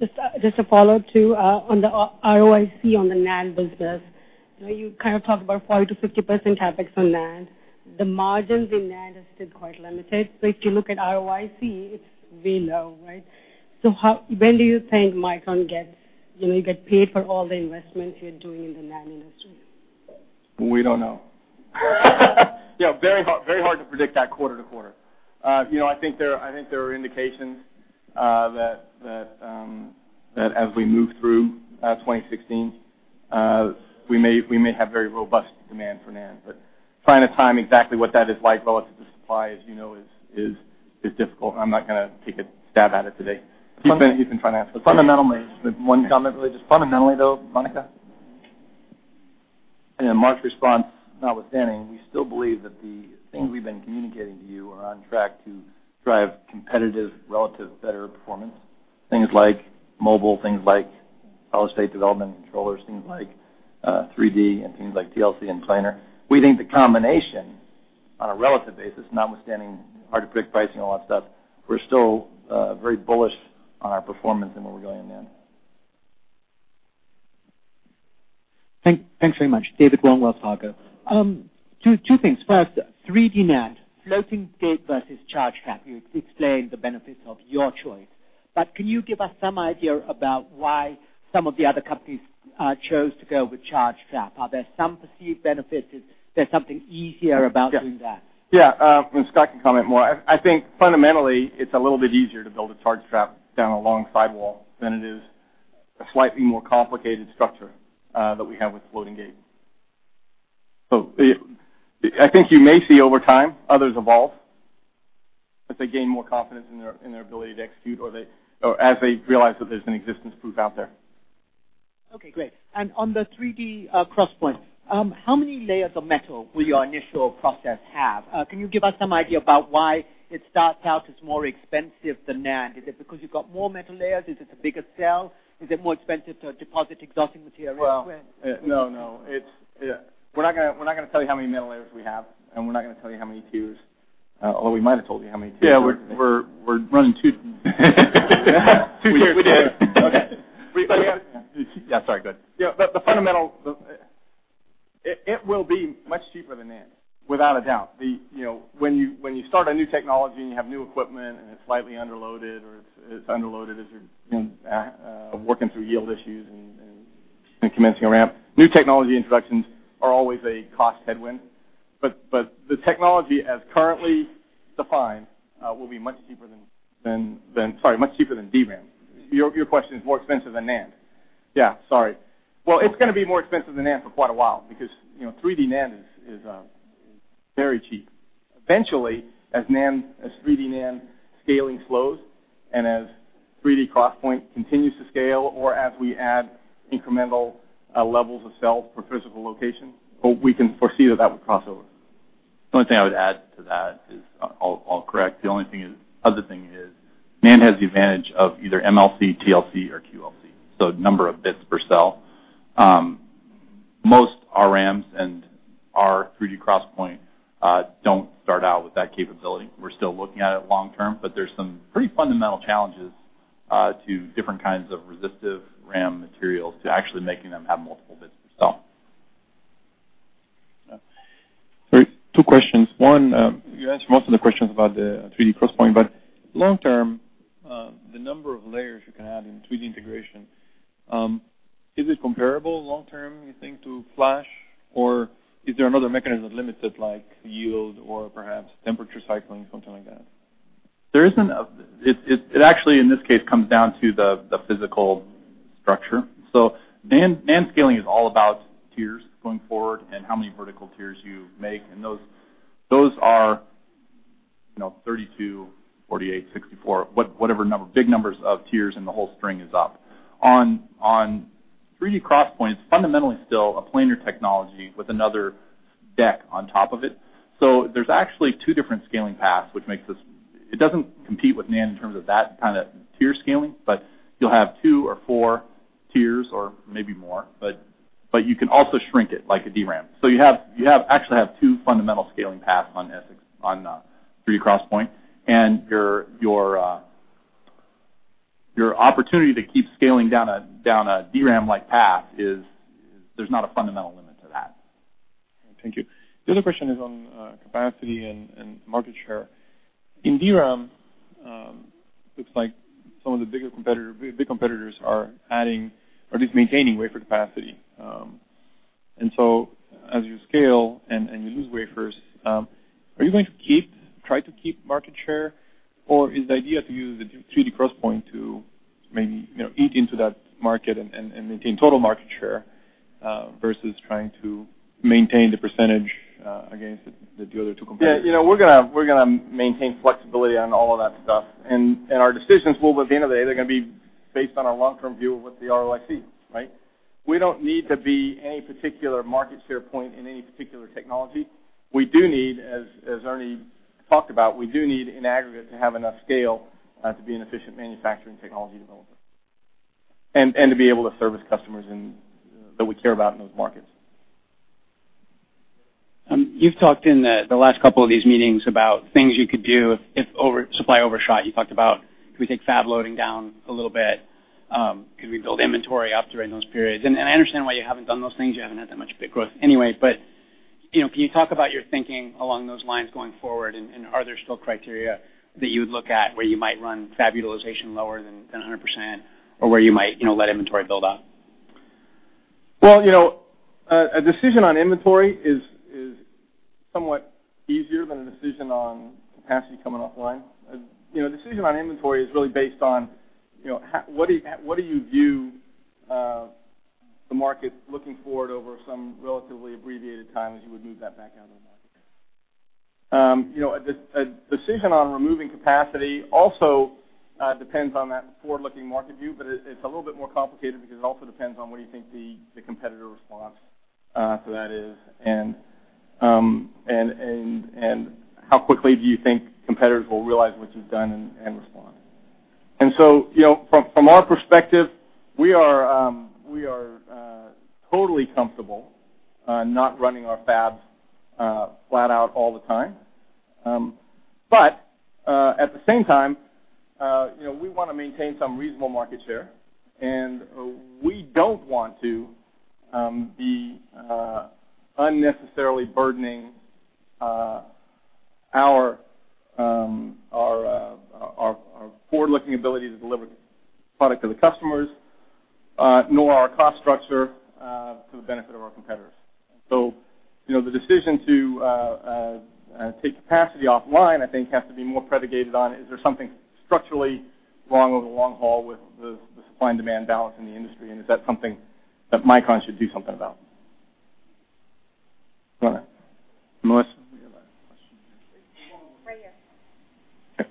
Yeah. Just a follow-up, too, on the ROIC on the NAND business. You kind of talked about 40%-50% CapEx on NAND. The margins in NAND are still quite limited. If you look at ROIC, it's really low, right? When do you think Micron gets paid for all the investments you're doing in the NAND industry? We don't know. Very hard to predict that quarter to quarter. I think there are indications that as we move through 2016, we may have very robust demand for NAND. Trying to time exactly what that is like relative to supply, as you know, is difficult, and I'm not going to take a stab at it today. You can try and answer. Fundamentally-- Yeah. One comment, really. Just fundamentally, though, Monika, Mark's response notwithstanding, we still believe that the things we've been communicating to you are on track to drive competitive, relative better performance. Things like mobile, things like solid-state development and controllers, things like 3D, and things like TLC and planar. We think the combination, on a relative basis, notwithstanding hard-to-predict pricing and all that stuff, we're still very bullish on our performance and where we're going in NAND. Thanks very much. David Longwell, Saga. Two things. First, 3D NAND. Floating gate versus charge trap. You explained the benefits of your choice. Can you give us some idea about why some of the other companies chose to go with charge trap? Are there some perceived benefits? Is there something easier about doing that? Yeah. Scott can comment more. I think fundamentally, it's a little bit easier to build a charge trap down a long sidewall than it is a slightly more complicated structure that we have with floating gate. I think you may see over time others evolve as they gain more confidence in their ability to execute, or as they realize that there's an existence proof out there. Okay, great. On the 3D XPoint, how many layers of metal will your initial process have? Can you give us some idea about why it starts out as more expensive than NAND? Is it because you've got more metal layers? Is it a bigger cell? Is it more expensive to deposit exotic materials? Well, no. We're not going to tell you how many metal layers we have, we're not going to tell you how many tiers. Although we might have told you how many tiers. Yeah, we're running 2. Two tiers. We did. Okay. Were you going to. Yeah, sorry. Go ahead. Yeah, it will be much cheaper than NAND, without a doubt. When you start a new technology, and you have new equipment, and it's slightly underloaded, or it's underloaded as you're working through yield issues and commencing a ramp, new technology introductions are always a cost headwind. The technology, as currently defined, will be much cheaper than DRAM. Your question is more expensive than NAND? Yeah, sorry. Well, it's going to be more expensive than NAND for quite a while because 3D NAND is very cheap. Eventually, as 3D NAND scaling slows and as 3D XPoint continues to scale, or as we add incremental levels of cell per physical location, we can foresee that would cross over. The only thing I would add to that is, all correct, the only other thing is NAND has the advantage of either MLC, TLC, or QLC, so number of bits per cell. Most our RAMs and our 3D XPoint don't start out with that capability. We're still looking at it long term, but there's some pretty fundamental challenges to different kinds of resistive RAM materials to actually making them have multiple bits per cell. Great. Two questions. One, you answered most of the questions about the 3D XPoint, but long term, the number of layers you can add in 3D integration, is it comparable long term, you think, to flash, or is there another mechanism that limits it, like yield or perhaps temperature cycling, something like that? It actually, in this case, comes down to the physical structure. NAND scaling is all about tiers going forward and how many vertical tiers you make. Those are 32, 48, 64, whatever number, big numbers of tiers, and the whole string is up. On 3D XPoint, it's fundamentally still a planar technology with another deck on top of it. There's actually two different scaling paths, which makes this, it doesn't compete with NAND in terms of that kind of tier scaling. You'll have 2 or 4 tiers or maybe more, but you can also shrink it like a DRAM. You actually have two fundamental scaling paths on 3D XPoint, and your opportunity to keep scaling down a DRAM-like path is, there's not a fundamental limit to that. Thank you. The other question is on capacity and market share. In DRAM, looks like some of the big competitors are adding or at least maintaining wafer capacity. As you scale and you lose wafers, are you going to try to keep market share? Or is the idea to use the 3D XPoint to maybe eat into that market and maintain total market share, versus trying to maintain the percentage against the other two competitors? Yeah, we're going to maintain flexibility on all of that stuff. Our decisions will, at the end of the day, they're going to be based on our long-term view of what the ROI sees, right? We don't need to be any particular market share point in any particular technology. We do need, as Ernie talked about, we do need in aggregate to have enough scale to be an efficient manufacturing technology developer and to be able to service customers that we care about in those markets. You've talked in the last couple of these meetings about things you could do if supply overshot. You talked about could we take fab loading down a little bit? Could we build inventory up during those periods? I understand why you haven't done those things. You haven't had that much bit growth anyway. Can you talk about your thinking along those lines going forward, and are there still criteria that you would look at where you might run fab utilization lower than 100%, or where you might let inventory build up? Well, a decision on inventory is somewhat easier than a decision on capacity coming offline. A decision on inventory is really based on what do you view the market looking forward over some relatively abbreviated time as you would move that back out into the market? A decision on removing capacity also depends on that forward-looking market view. It's a little bit more complicated because it also depends on what you think the competitor response to that is, and how quickly do you think competitors will realize what you've done and respond. From our perspective, we are totally comfortable not running our fabs flat out all the time. At the same time, we want to maintain some reasonable market share, and we don't want to be unnecessarily burdening our forward-looking ability to deliver product to the customers, nor our cost structure to the benefit of our competitors. The decision to take capacity offline, I think, has to be more predicated on, is there something structurally wrong over the long haul with the supply and demand balance in the industry? Is that something that Micron should do something about? You want to? Melissa? We have a question here.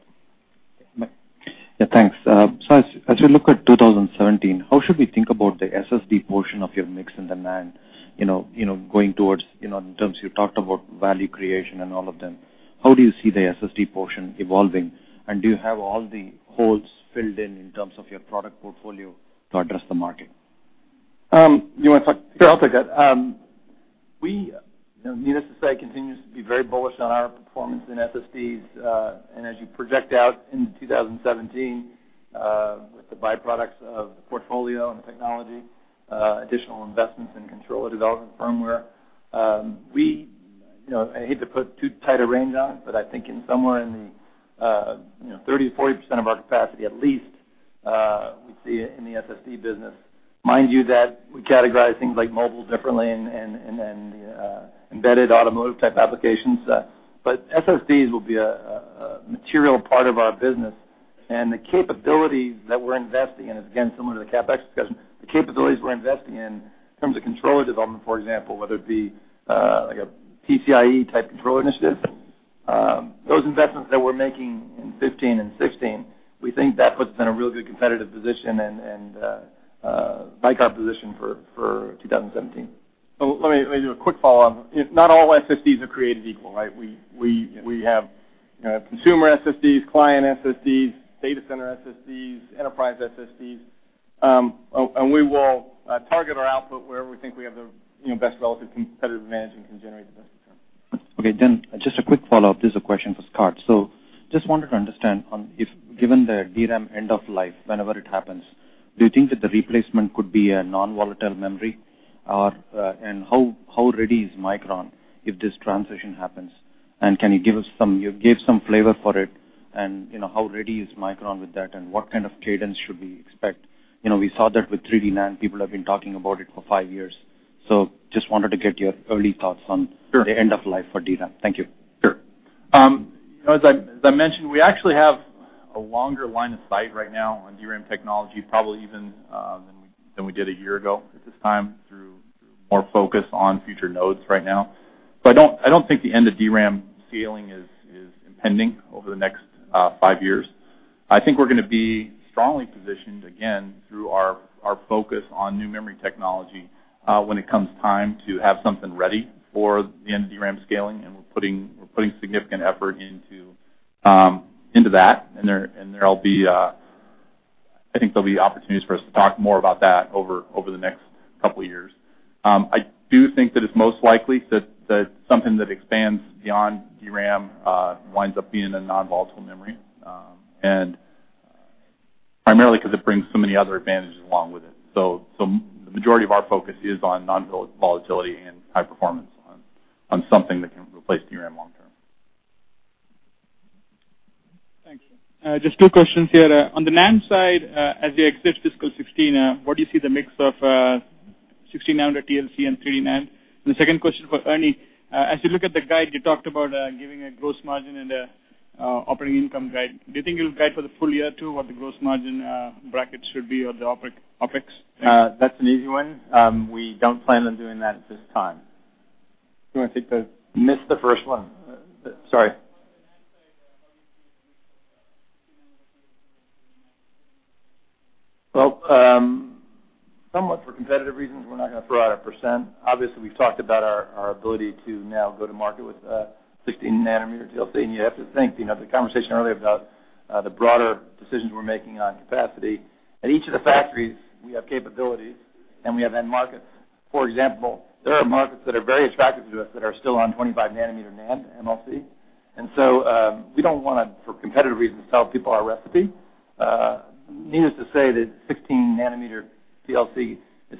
Right here. Okay. Mike. As we look at 2017, how should we think about the SSD portion of your mix in the NAND, going towards in terms you talked about value creation and all of them? How do you see the SSD portion evolving, and do you have all the holes filled in terms of your product portfolio to address the market? You want to talk? Sure, I'll take that. Needless to say, continues to be very bullish on our performance in SSDs. As you project out into 2017, with the byproducts of the portfolio and the technology, additional investments in controller development firmware. I hate to put too tight a range on it, but I think in somewhere in the 30%-40% of our capacity at least, we see it in the SSD business. Mind you that we categorize things like mobile differently and the embedded automotive type applications. SSDs will be a material part of our business and the capabilities that we're investing in is, again, similar to the CapEx discussion. The capabilities we're investing in terms of controller development, for example, whether it be like a PCIe type controller initiative. Those investments that we're making in 2015 and 2016, we think that puts us in a real good competitive position and [valuable position] for 2017. Let me do a quick follow-up. Not all SSDs are created equal, right? We have consumer SSDs, client SSDs, data center SSDs, enterprise SSDs. We will target our output wherever we think we have the best relative competitive advantage and can generate the best return. Okay, just a quick follow-up. This is a question for Scott. Just wanted to understand on if, given the DRAM end of life, whenever it happens, do you think that the replacement could be a non-volatile memory? How ready is Micron if this transition happens, and can you give some flavor for it, and how ready is Micron with that, and what kind of cadence should we expect? We saw that with 3D NAND, people have been talking about it for five years. Sure the end of life for DRAM. Thank you. Sure. As I mentioned, we actually have a longer line of sight right now on DRAM technology, probably even than we did a year ago at this time, through more focus on future nodes right now. I don't think the end of DRAM scaling is impending over the next five years. I think we're going to be strongly positioned, again, through our focus on new memory technology, when it comes time to have something ready for the end of DRAM scaling. We're putting significant effort into that. I think there'll be opportunities for us to talk more about that over the next couple of years. I do think that it's most likely that something that expands beyond DRAM winds up being a non-volatile memory. Primarily, because it brings so many other advantages along with it. The majority of our focus is on non-volatility and high performance on something that can replace DRAM long term. Thank you. Just two questions here. On the NAND side, as you exit fiscal 2016, what do you see the mix of 16 nanometer TLC and 3D NAND? The second question for Ernie. As you look at the guide, you talked about giving a gross margin and operating income guide. Do you think you'll guide for the full year, too, what the gross margin brackets should be or the OpEx? That's an easy one. We don't plan on doing that at this time. Do you want to take the- Missed the first one. Sorry. On the NAND side, how do you see the mix of 16 nanometer TLC and 3D NAND? Well, somewhat for competitive reasons, we're not going to throw out a percent. Obviously, we've talked about our ability to now go to market with 16 nanometer TLC, you have to think, the conversation earlier about the broader decisions we're making on capacity. At each of the factories, we have capabilities, and we have end markets. For example, there are markets that are very attractive to us that are still on 25 nanometer NAND MLC. We don't want to, for competitive reasons, tell people our recipe. Needless to say that 16 nanometer TLC is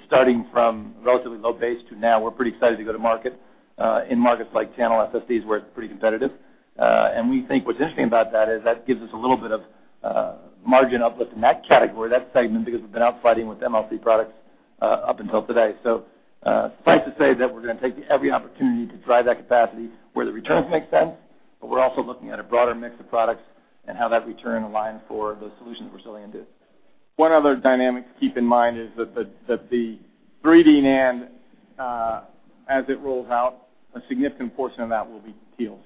starting from a relatively low base to now we're pretty excited to go to market in markets like channel SSDs, where it's pretty competitive. We think what's interesting about that is, that gives us a little bit of margin uplift in that category, that segment, because we've been out fighting with MLC products up until today. Suffice to say that we're going to take every opportunity to drive that capacity where the returns make sense, but we're also looking at a broader mix of products and how that return aligns for those solutions we're selling into. One other dynamic to keep in mind is that the 3D NAND, as it rolls out, a significant portion of that will be TLC.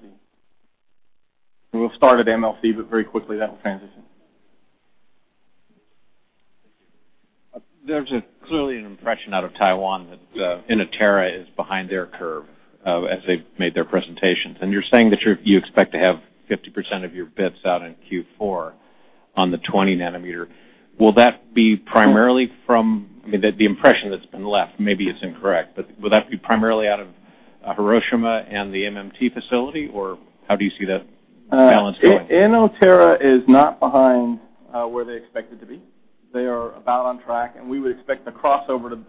We will start at MLC, but very quickly that will transition. Thank you. There's clearly an impression out of Taiwan that Inotera is behind their curve as they've made their presentations. You're saying that you expect to have 50% of your bits out in Q4 on the 20 nanometer. Will that be primarily from-- I mean, the impression that's been left, maybe it's incorrect, but will that be primarily out of Hiroshima and the MMT facility, or how do you see that balance going? Inotera is not behind where they expected to be. They are about on track. We would expect the crossover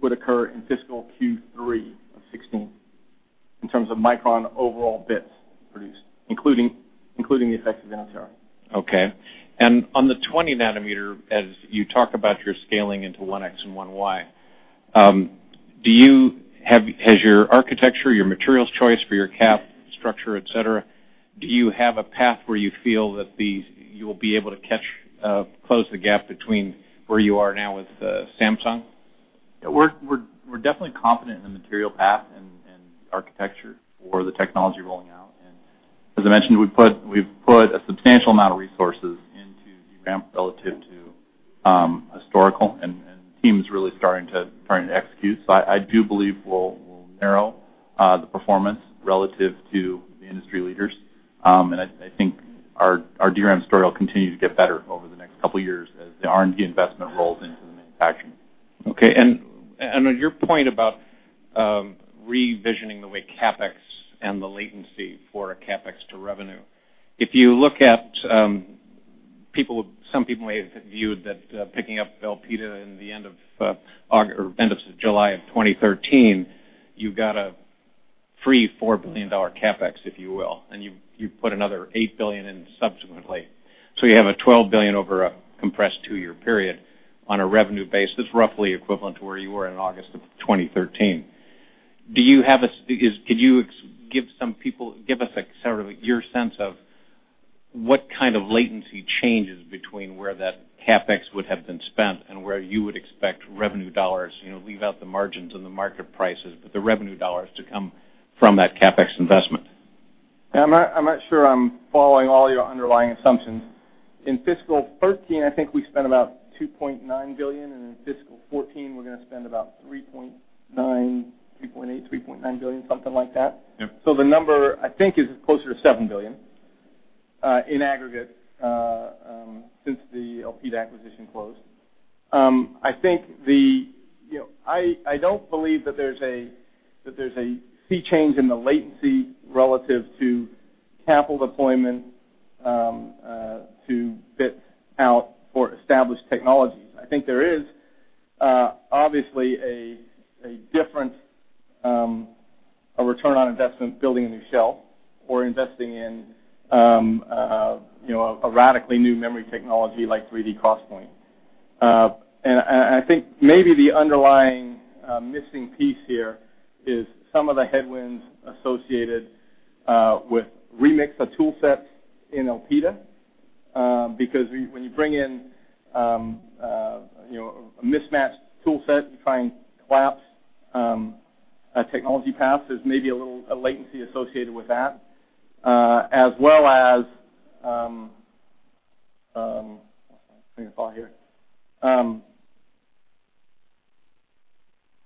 would occur in fiscal Q3 of 2016, in terms of Micron overall bits produced, including the effects of Inotera. Okay. On the 20nm, as you talk about your scaling into 1x and 1Y, has your architecture, your materials choice for your cap structure, et cetera, do you have a path where you feel that you'll be able to close the gap between where you are now with Samsung? We're definitely confident in the material path and architecture for the technology rolling out. As I mentioned, we've put a substantial amount of resources into DRAM relative to historical, the team's really starting to execute. I do believe we'll Narrow the performance relative to the industry leaders. I think our DRAM story will continue to get better over the next couple of years as the R&D investment rolls into the manufacturing. Okay. On your point about revisioning the way CapEx and the latency for a CapEx to revenue. If you look at some people may have viewed that picking up Elpida in the end of July of 2013, you got a free $4 billion CapEx, if you will, you put another $8 billion in subsequently. You have a $12 billion over a compressed two-year period on a revenue basis, roughly equivalent to where you were in August of 2013. Could you give us your sense of what kind of latency changes between where that CapEx would have been spent and where you would expect revenue dollars, leave out the margins and the market prices, but the revenue dollars to come from that CapEx investment? I'm not sure I'm following all your underlying assumptions. In fiscal 2013, I think we spent about $2.9 billion, and in fiscal 2014, we're going to spend about $3.8 billion, $3.9 billion, something like that. Yep. The number, I think, is closer to $7 billion in aggregate since the Elpida acquisition closed. I don't believe that there's a sea change in the latency relative to capital deployment to fit out for established technologies. I think there is, obviously, a different return on investment building a new shell or investing in a radically new memory technology like 3D XPoint. I think maybe the underlying missing piece here is some of the headwinds associated with remix of tool sets in Elpida. When you bring in a mismatched tool set, you try and collapse a technology path, there's maybe a little latency associated with that. I'm trying to follow here.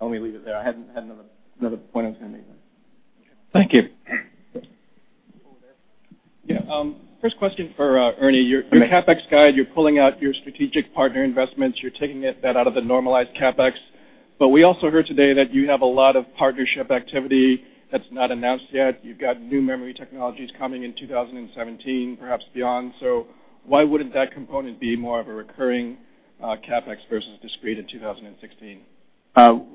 Let me leave it there. I had another point I was going to make. Thank you. Over there. Yeah. First question for Ernie. Your CapEx guide, you're pulling out your strategic partner investments. You're taking that out of the normalized CapEx. We also heard today that you have a lot of partnership activity that's not announced yet. You've got new memory technologies coming in 2017, perhaps beyond. Why wouldn't that component be more of a recurring CapEx versus discrete in 2016?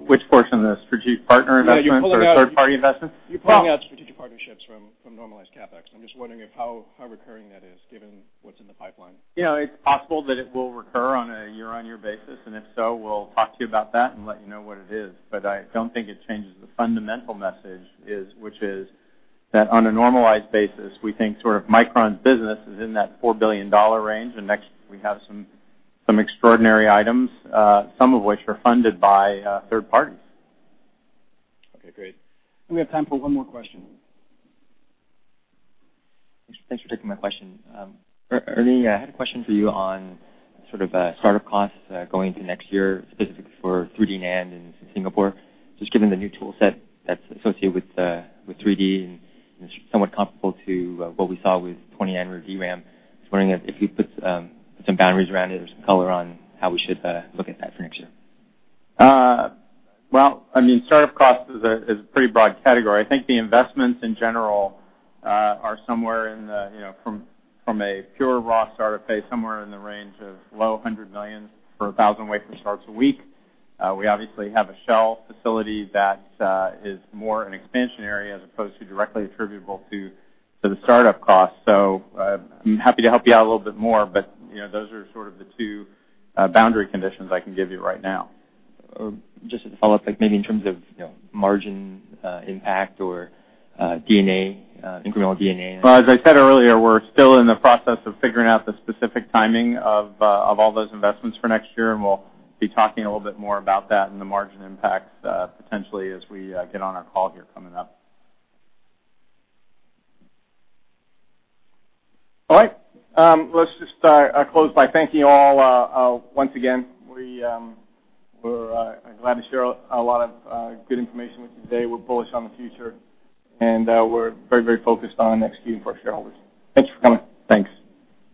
Which portion of this? Strategic partner investments or third party investments? You're pulling out strategic partnerships from normalized CapEx. I'm just wondering how recurring that is given what's in the pipeline. It's possible that it will recur on a year-on-year basis, and if so, we'll talk to you about that and let you know what it is. I don't think it changes the fundamental message, which is that on a normalized basis, we think Micron's business is in that $4 billion range. Next, we have some extraordinary items, some of which are funded by third parties. Okay, great. We have time for one more question. Thanks for taking my question. Ernie, I had a question for you on sort of startup costs going into next year, specifically for 3D NAND in Singapore. Given the new tool set that's associated with 3D, and it's somewhat comparable to what we saw with 20nm DRAM. Wondering if you put some boundaries around it or some color on how we should look at that for next year. Startup cost is a pretty broad category. I think the investments in general are, from a pure raw startup phase, somewhere in the range of low $100 million for a 1,000 wafer starts a week. We obviously have a shell facility that is more an expansion area as opposed to directly attributable to the startup cost. I'm happy to help you out a little bit more, but those are sort of the two boundary conditions I can give you right now. To follow up, maybe in terms of margin impact or incremental D&A. Well, as I said earlier, we're still in the process of figuring out the specific timing of all those investments for next year, and we'll be talking a little bit more about that and the margin impacts, potentially as we get on our call here coming up. All right. Let's just close by thanking you all once again. We're glad to share a lot of good information with you today. We're bullish on the future, and we're very focused on executing for our shareholders. Thanks for coming. Thanks.